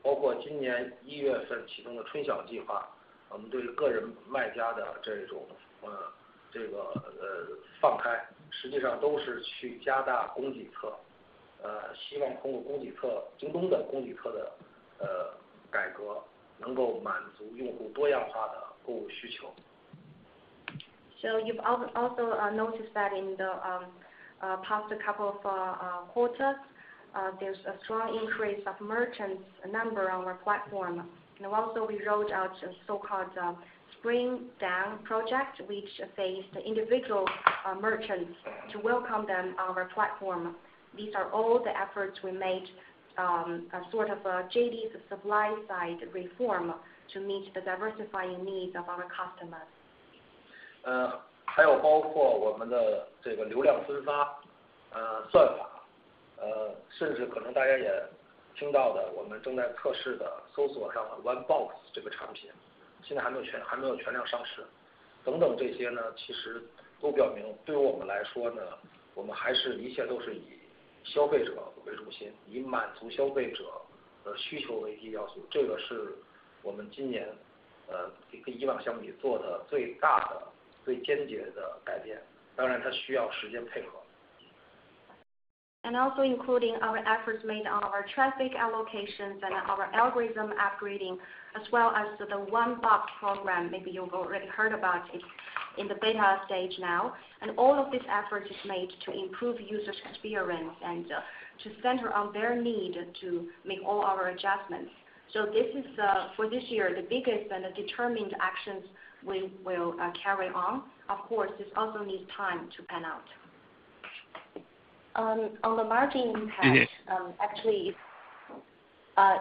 对。大家也看到我们连续几个季度的商家数量的快速的增 长， 包括今年一月份启动的春晓计 划， 我们对于个人卖家的这 种， 这 个， 放 开， 实际上都是去加大供给 侧， 希望通过供给 侧， 京东的供给侧 的， 改 革， 能够满足用户多样化的购物需求。You've also noticed that in the past couple of quarters, there's a strong increase of merchants number on our platform. Also we rolled out a so-called Spring Dawn project, which says the individual merchants to welcome them on our platform. These are all the efforts we made, a sort of JD's supply side reform to meet the diversifying needs of our customers. 还有包括我们的这个流量分 发, 算 法, 甚至可能大家也听到 的, 我们正在测试的搜索上的 One Box 这个产 品, 现在还没有全量上 市. 等等这些 呢, 其实都表明对我们来说 呢, 我们还是一切都是以消费者为中 心, 以满足消费者的需求为第一要 素, 这个是我们今 年, 跟以往相比做的最大 的, 最坚决的改 变. 当然它需要时间配 合. Also including our efforts made on our traffic allocations and our algorithm upgrading, as well as the One Box program. Maybe you've already heard about it in the beta stage now. All of this effort is made to improve user experience and to center on their need to make all our adjustments. This is for this year, the biggest and determined actions we will carry on. Of course, this also needs time to pan out. On the margin impact. 是. Actually, on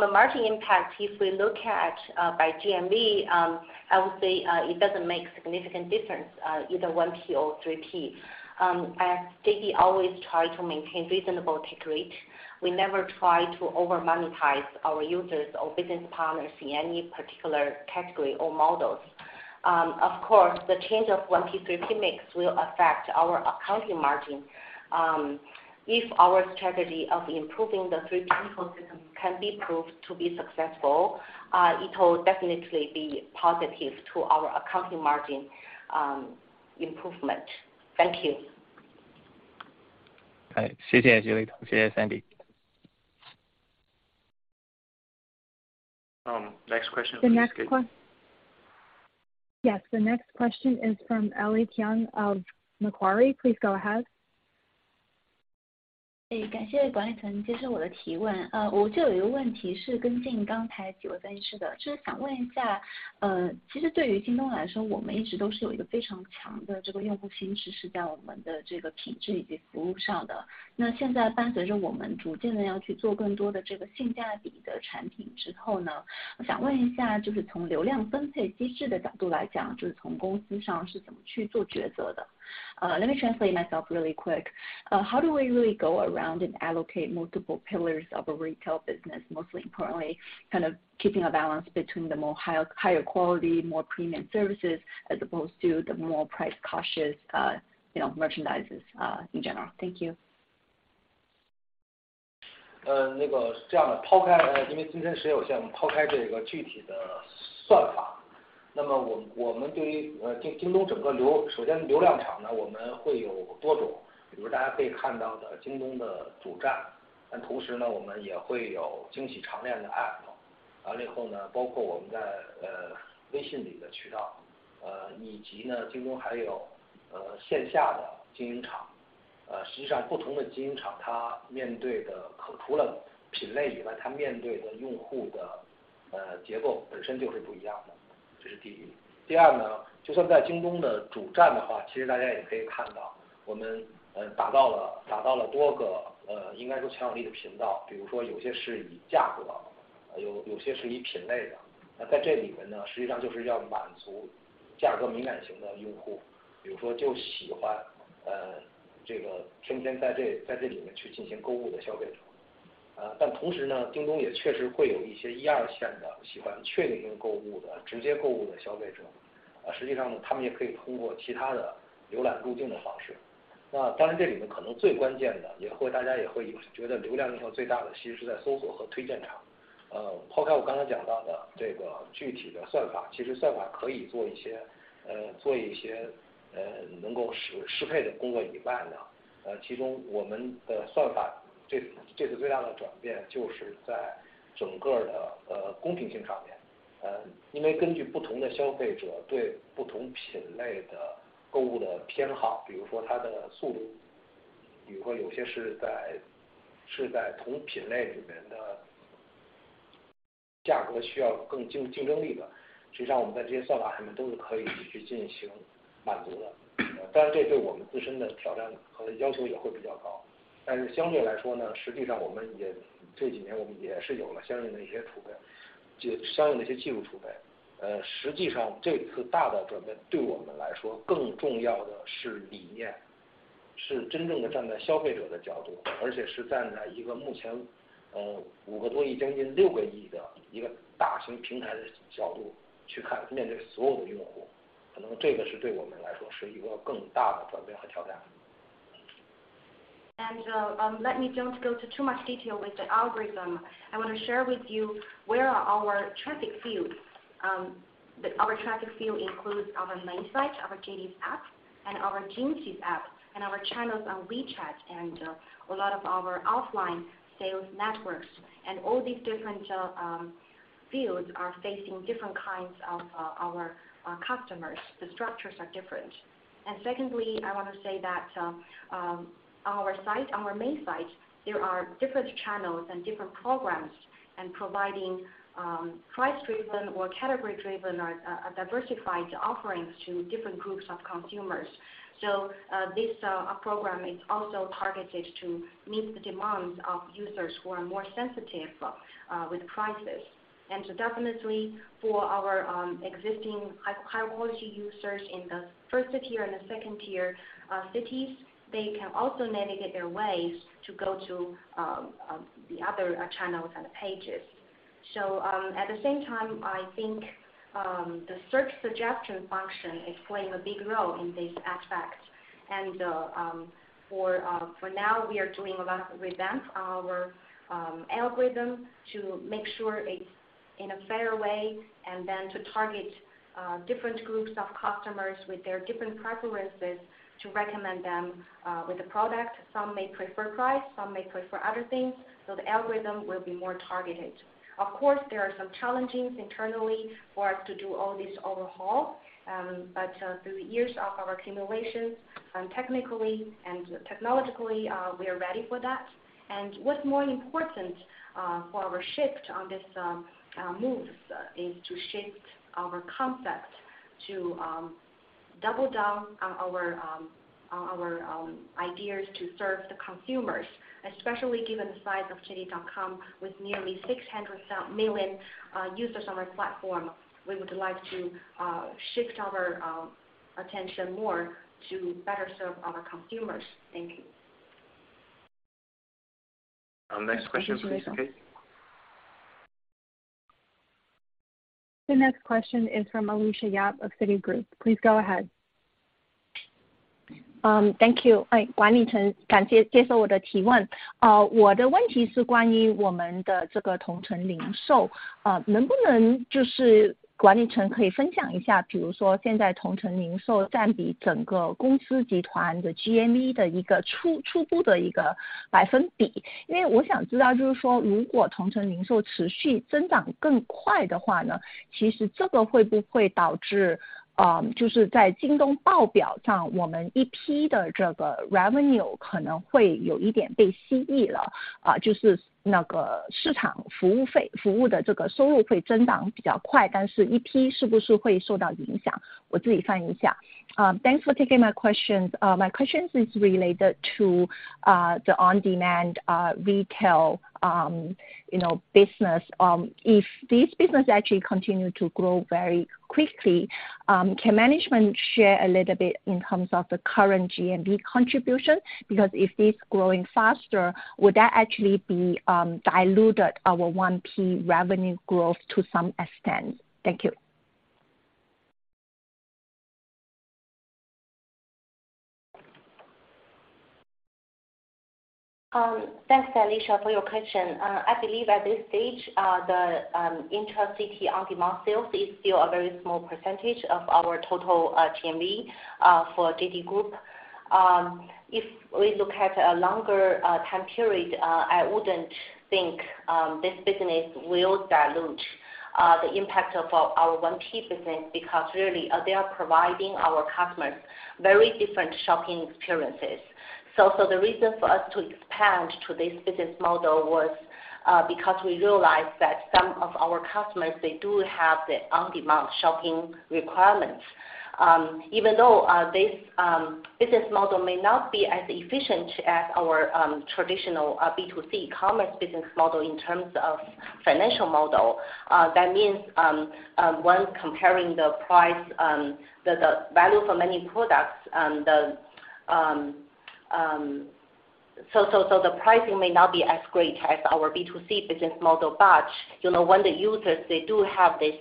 the margin impact, if we look at by GMV, I would say it doesn't make significant difference, either 1P or 3P. As JD always try to maintain reasonable take rate, we never try to over monetize our users or business partners in any particular category or models. Of course, the change of 1P 3P mix will affect our accounting margin. If our strategy of improving the 3P ecosystem can be proved to be successful, it will definitely be positive to our accounting margin improvement. Thank you. 谢谢 Xu Lei。谢谢 Sandy。Next question please. Yes, the next question is from Ellie Jiang of Macquarie. Please go ahead. 对，感谢管理层接受我的提问。我有一个问题是跟进刚才几位分析的，就是想问一下，其实对于京东来说，我们一直都是有一个非常强的这个用户心智是在我们的这个品质以及服务上的。那现在伴随着我们逐渐地要去做更多的这个性价比的产品之后呢，我想问一下，就是从流量分配机制的角度来讲，就是从公司上是怎么去做抉择的？Let me translate myself really quick. How do we really go around and allocate multiple pillars of a retail business, mostly importantly, kind of keeping a balance between the more higher quality, more premium services, as opposed to the more price-conscious, you know, merchandises, in general. Thank you. 那个这样 的， 抛 开， 因为今天时间有 限， 我们抛开这个具体的算 法， 我们对于京东整个 流， 首先流量场 呢， 我们会有多 种， 比如说大家可以看到的京东的主 站， 但同时 呢， 我们也会有惊喜常亮 App， 完了以后 呢， 包括我们在 WeChat 里的渠 道， 以及呢京东还有线下的经营场。实际上不同的经营 场， 它面对的除了品类以 外， 它面对的用户的结构本身就是不一样的，这是第一。第二 呢， 就算在京东的主站的 话， 其实大家也可以看 到， 我们打造了多个应该说强有力的频 道， 比如说有些是以价 格， 有些是以品类的。在这里面 呢， 实际上就是要满足价格敏感型的用 户， 比如说就喜欢这个生天在 这， 在这里面去进行购物的消费者。但同时 呢， 京东也确实会有一些一二线的喜欢确定购物 的， 直接购物的消费 者， 实际上 呢， 他们也可以通过其他的浏览注定的方式。当然这里面可能最关键的也会大家也会觉得流量影响最大的其实是在搜索和推荐场。抛开我刚才讲到的这 Let me don't go to too much detail with the algorithm. I wanna share with you where are our traffic fields. The our traffic field includes our main site, our JD's APP and our Jingxi's APP and our channels on WeChat and a lot of our offline sales networks. All these different fields are facing different kinds of our customers. The structures are different. Secondly, I wanna say that our site, our main site, there are different channels and different programs and providing price driven or category driven or diversified offerings to different groups of consumers. This program is also targeted to meet the demands of users who are more sensitive with prices. Definitely for our existing high quality users in the first tier and the second tier cities, they can also navigate their ways to go to the other channels and pages. At the same time, I think the search suggestion function is playing a big role in this aspect. For now we are doing a lot revamp our algorithm to make sure it's in a fair way and then to target different groups of customers with their different preferences to recommend them with the product. Some may prefer price, some may prefer other things. The algorithm will be more targeted. Of course, there are some challenges internally for us to do all this overhaul, but through the years of our accumulation and technically and technologically, we are ready for that. What's more important for our shift on this moves is to shift our concept to double down our ideas to serve the consumers, especially given the size of JD.com with nearly 600 million users on our platform, we would like to shift our attention more to better serve our consumers. Thank you. Next question please. The next question is from Alicia Yap of Citigroup. Please go ahead. thank you。管理层感谢接受我的提问。我的问题是关于我们的这个同城零 售， 能不能就是管理层可以分享一 下， 比如说现在同城零售占比整个公司集团的 GMV 的一个初步的一个%。因为我想知道就是说如果同城零售持续增长更快的话 呢， 其实这个会不会导致，就是在 JD.com 报表上我们 1P 的这个 revenue 可能会有一点被稀释 了， 就是那个市场服务费的这个收入会增长比较 快， 但是 1P 是不是会受到影 响？ 我自己翻译一下。thanks for taking my questions. My questions is related to the on-demand retail, you know, business. If this business actually continue to grow very quickly, can management share a little bit in terms of the current GMV contribution? If it's growing faster, would that actually be diluted our 1P revenue growth to some extent? Thank you. Thanks Alicia for your question. I believe at this stage, the intercity on-demand sales is still a very small percentage of our total GMV for JD Group. If we look at a longer time period, I wouldn't think this business will dilute the impact of our 1P business, because really, they are providing our customers very different shopping experiences. The reason for us to expand to this business model was because we realized that some of our customers, they do have the on-demand shopping requirements. Even though this business model may not be as efficient as our traditional B2C commerce business model in terms of financial model, that means when comparing the price, the value for many products and the the pricing may not be as great as our B2C business model, but you know, when the users they do have this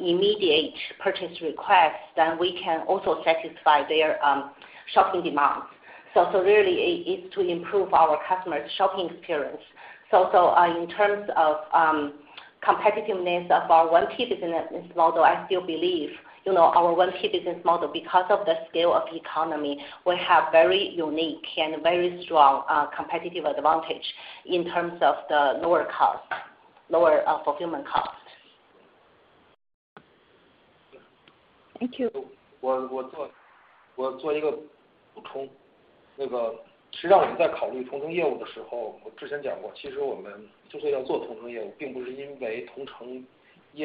immediate purchase request, then we can also satisfy their shopping demands. Really it is to improve our customer shopping experience. In terms of competitiveness of our business model, I still believe you know our business model because of the scale of economy, we have very unique and very strong competitive advantage in terms of the lower cost, lower fulfillment cost. Thank you. 我 做, 我做一个补 充. 那个实际上我们在考虑同城业务的时 候, 我之前讲 过, 其实我们就算要做同城业 务, 并不是因为同城业务现在整个行业的增速非常 快. 京东在判断一件事情我们是否参与的时候 呢, 我们会有几个标 准, 但其中 呢, 满足用户的体验需求或者叫购物的需求是最重要 的, 这是第一 个. 如果我们能够看到我们平台上的很多用户实际上是有即时零售的需 求, 如果我们不能很好地去满足的话 呢, 这对我们是一种用户体验的缺 失. I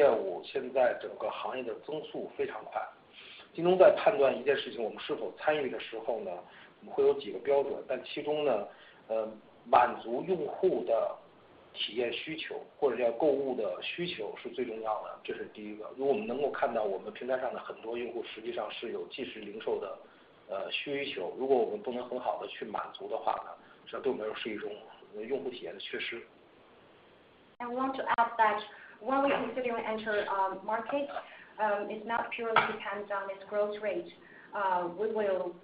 want to add that when we consider enter market is not purely depends on its growth rate, we will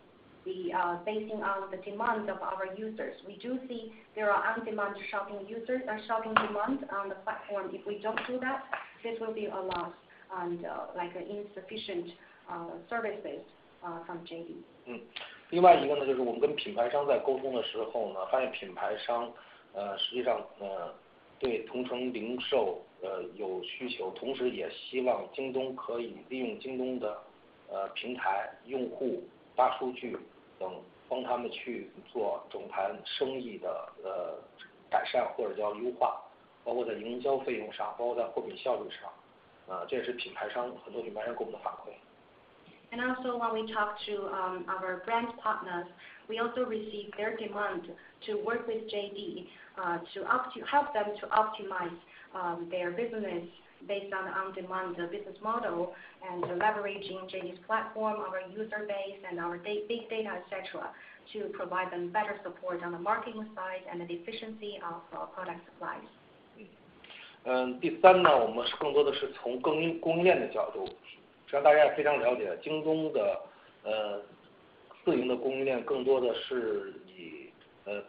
be basing on the demand of our users. We do see there are on demand shopping users are shopping demands on the platform. If we don't do that, this will be a lot and like an insufficient services from JD. 另外一个 呢， 就是我们跟品牌商在沟通的时候 呢， 发现品牌商实际上对同城零售有需 求， 同时也希望京东可以利用京东的平台、用户、大数据等帮他们去做整盘生意的改 善， 或者叫优 化， 包括在营销费用 上， 包括在货品效率 上， 这也是品牌商很多品牌商给我们的反馈。When we talk to our brand partners, we also receive their demand to work with JD to opt to help them to optimize their business based on demand, business model and leveraging JD's platform, our user base and our big data etc to provide them better support on the marketing side and the efficiency of our product supplies. 第三 呢， 我们更多的是从供应链的角度。实际上大家也非常了 解， 京东的自营的供应链更多的是以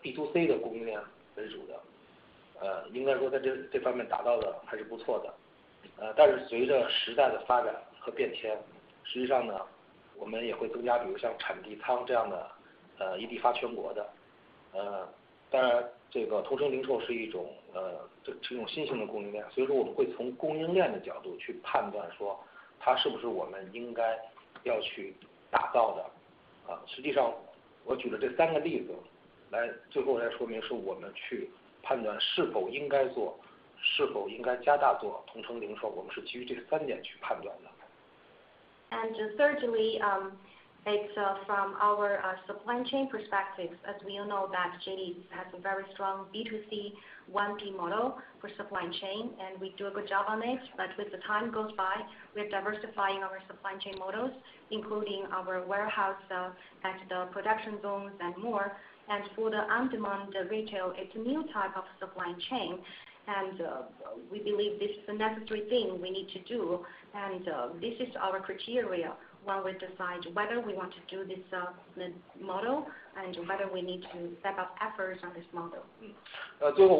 DC 的供应链为主 的， 应该说在这方面达到的还是不错的。但是随着时代的发展和变 迁， 实际上 呢， 我们也会增 加， 比如像产地仓这样的一地发全国的。当然这个同城零售是一种 呃， 是一种新型的供应 链， 所以说我们会从供应链的角度去判断说它是不是我们应该要去打造的。实际上我举的这三个例子来最后再说明说我们去判断是否应该 做， 是否应该加大做同城零 售， 我们是基于这三点去判断的。Thirdly, it's from our supply chain perspective. As we all know that JD has a very strong B2C model for supply chain, and we do a good job on it. With the time goes by, we are diversifying our supply chain models, including our warehouse and the production zones and more. For the on-demand retail, it's a new type of supply chain. We believe this is a necessary thing we need to do. This is our criteria while we decide whether we want to do this model and whether we need to step up efforts on this model.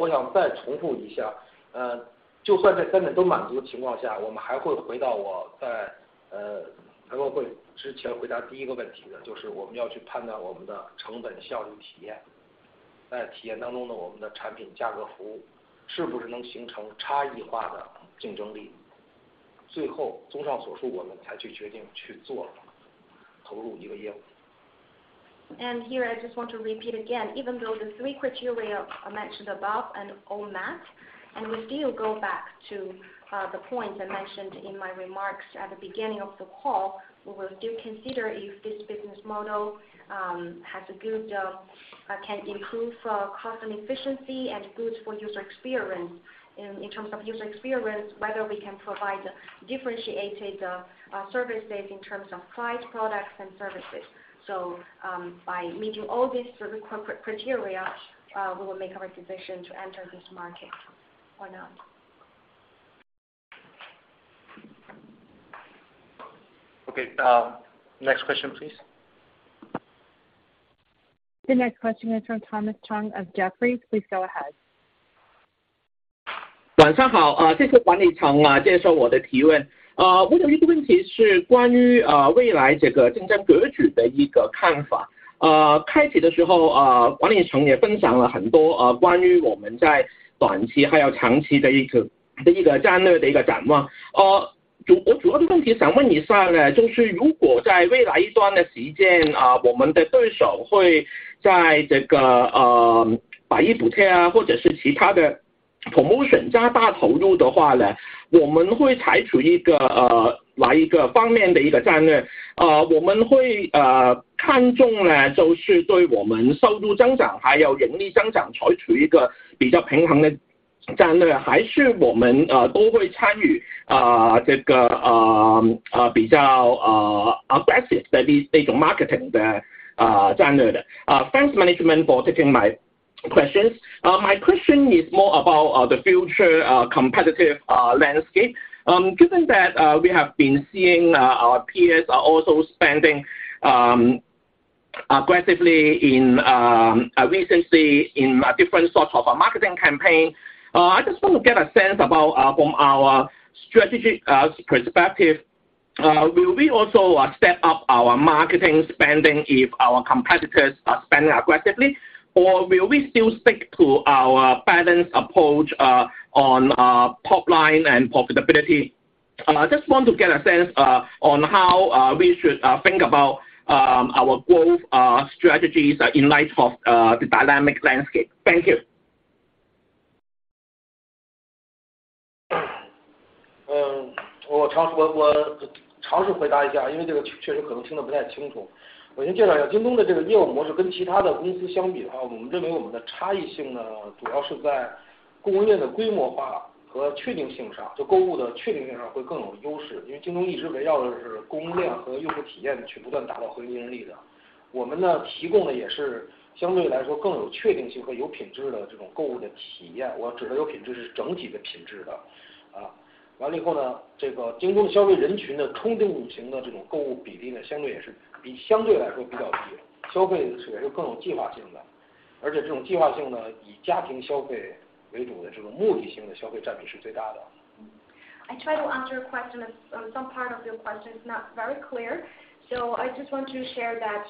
我想再重复一 下， 就算这三点都满足的情况 下， 我们还会回到我在耳 talk 会之前回答第一个问题 的， 就是我们要去判断我们的成本、效率、体验。在体验当中 呢， 我们的产品价格、服务是不是能形成差异化的竞争力。综上所 述， 我们才去决定去做 了， 投入一个业务。Here I just want to repeat again, even though the three criteria are mentioned above and all met, we still go back to the point I mentioned in my remarks at the beginning of the call, we will still consider if this business model can improve cost and efficiency and good for user experience. In terms of user experience, whether we can provide differentiated services in terms of price, products and services. By meeting all these criteria, we will make our decision to enter this market or not. Okay, next question please. The next question is from Thomas Chong of Jefferies. Please go ahead. 晚上 好， 谢谢管理层接受我的提问。我有一个问题是关于未来这个竞争格局的一个看法。开启的时 候， 管理层也分享了很多关于我们在短期还有长期的一 个， 的一个战略的一个展望。我主要的问题想问一下 呢， 就是如果在未来一段的时 间， 我们的对手会在这个百亿补贴 啊， 或者是其他的 promotion 加大投入的话 呢， 我们会采取一个哪一个方面的一个战 略， 我们会看重 呢， 就是对我们收入增长还有盈利增长采取一个比较平衡的。还是我们都会参 与， 这个比较 aggressive marketing 的战略的。Thanks management for taking my questions. My question is more about the future competitive landscape. Given that we have been seeing our peers are also spending aggressively in recently in different sorts of marketing campaign. I just want to get a sense about from our strategic perspective, will we also step up our marketing spending if our competitors are spending aggressively, or will we still stick to our balanced approach on top line and profitability? I just want to get a sense on how we should think about our growth strategies in light of the dynamic landscape. Thank you. 我尝试回答一 下， 因为这个确实可能听得不太清楚。我先介绍一下京东的这个业务模式跟其他的公司相比的 话， 我们认为我们的差异性 呢， 主要是在供应链的规模化和确定性 上， 就购物的确定性上会更有优势。因为京东一直围绕的是规模量和用户体验去不断打造核心能力的。我们呢提供的也是相对来说更有确定性和有品质的这种购物的体验。我指的有品质是整体的品质的。完了以后 呢， 这个京东消费人群的冲动型的这种购物比例 呢， 相对来说比较 低， 消费也是更有计划性的。这种计划性 呢， 以家庭消费为主的这种目的性的消费占比是最大的。I try to answer your question as some part of your question is not very clear. I just want to share that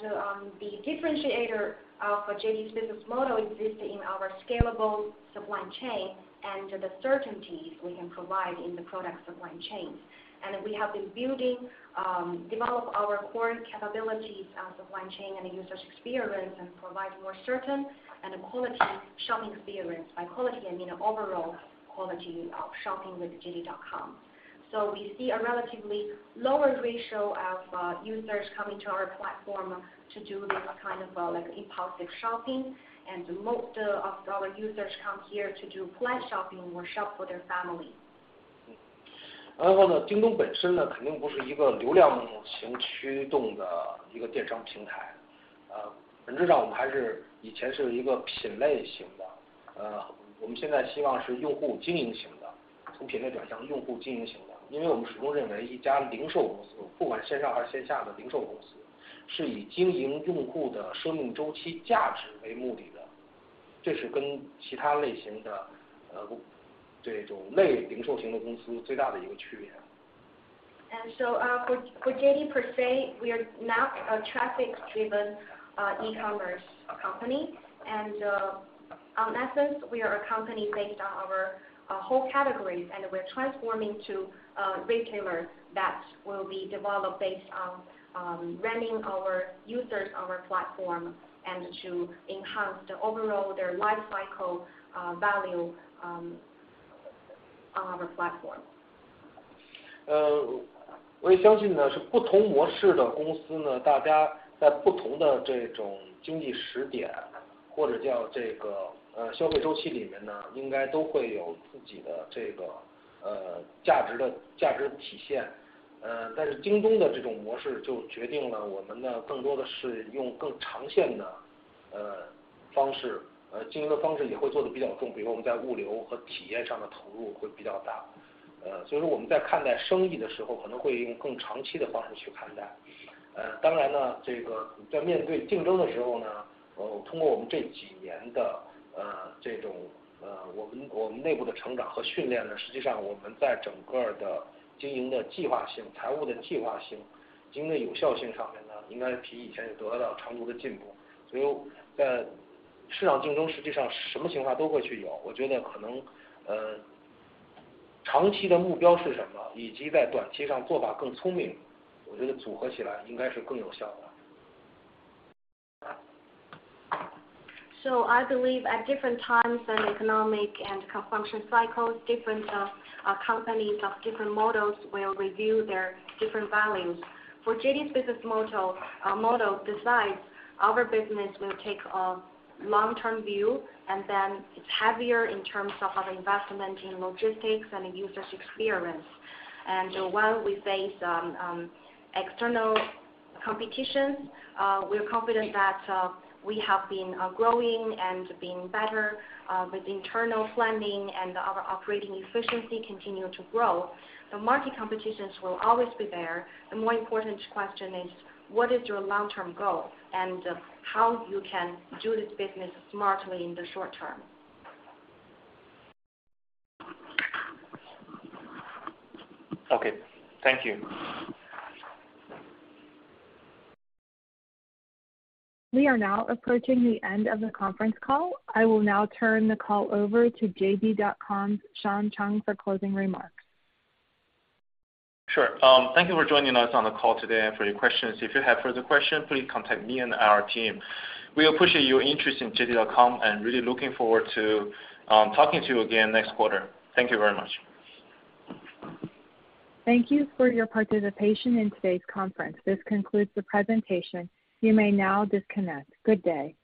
the differentiator of JD's business model existing in our scalable supply chain and the certainties we can provide in the product supply chains. We have been building, develop our core capabilities of supply chain and user experience and provide more certain and quality shopping experience. By quality, I mean overall quality of shopping with JD.com. We see a relatively lower ratio of users coming to our platform to do this kind of like impulsive shopping. Most of our users come here to do plan shopping or shop for their family. JD.com 本身 呢， 肯定不是一个流量型驱动的一个电商平 台， 本质上我们还是以前是一个品类型 的， 我们现在希望是用户经营型 的， 从品类转向用户经营型的。因为我们始终认为一家零售公 司， 不管线上还是线下的零售公 司， 是以经营用户的生命周期价值为目的 的， 这是跟其他类型的这种类零售型的公司最大的一个区别。For JD per se, we are not a traffic driven e-commerce company. In essence, we are a company based on our whole categories, and we're transforming to a retailer that will be developed based on running our users on our platform and to enhance the overall their lifecycle value on our platform. 我也相信 呢， 是不同模式的公司 呢， 大家在不同的这种经济时点或者叫这个消费周期里面 呢， 应该都会有自己的这个价值的体现。京东的这种模式就决定了我们的更多的是用更长线的方 式， 经营的方式也会做得比较 重， 比如我们在物流和体验上的投入会比较 大， 所以说我们在看待生意的时 候， 可能会用更长期的方式去看待。当然 呢， 这个在面对竞争的时候 呢， 通过我们这几年的这种我们内部的成长和训练 呢， 实际上我们在整个的经营的计划性、财务的计划性、经营的有效性上面 呢， 应该比以前得到了长足的进步。在市场竞争实际上什么情况都会去 有， 我觉得可 能， 长期的目标是什 么， 以及在短期上做法更聪 明， 我觉得组合起来应该是更有效的。I believe at different times in economic and consumption cycles, different companies of different models will review their different values. For JD's business model besides our business will take a long-term view and then it's heavier in terms of our investment in logistics and user experience. While we face external competition, we are confident that we have been growing and being better with internal planning, and our operating efficiency continue to grow. The market competitions will always be there. The more important question is what is your long-term goal and how you can do this business smartly in the short term. Okay. Thank you. We are now approaching the end of the conference call. I will now turn the call over to JD.com Sean Zhang for closing remarks. Sure. Thank you for joining us on the call today and for your questions. If you have further questions, please contact me and our team. We appreciate your interest in JD.com and really looking forward to talking to you again next quarter. Thank you very much. Thank you for your participation in today's conference. This concludes the presentation. You may now disconnect. Good day.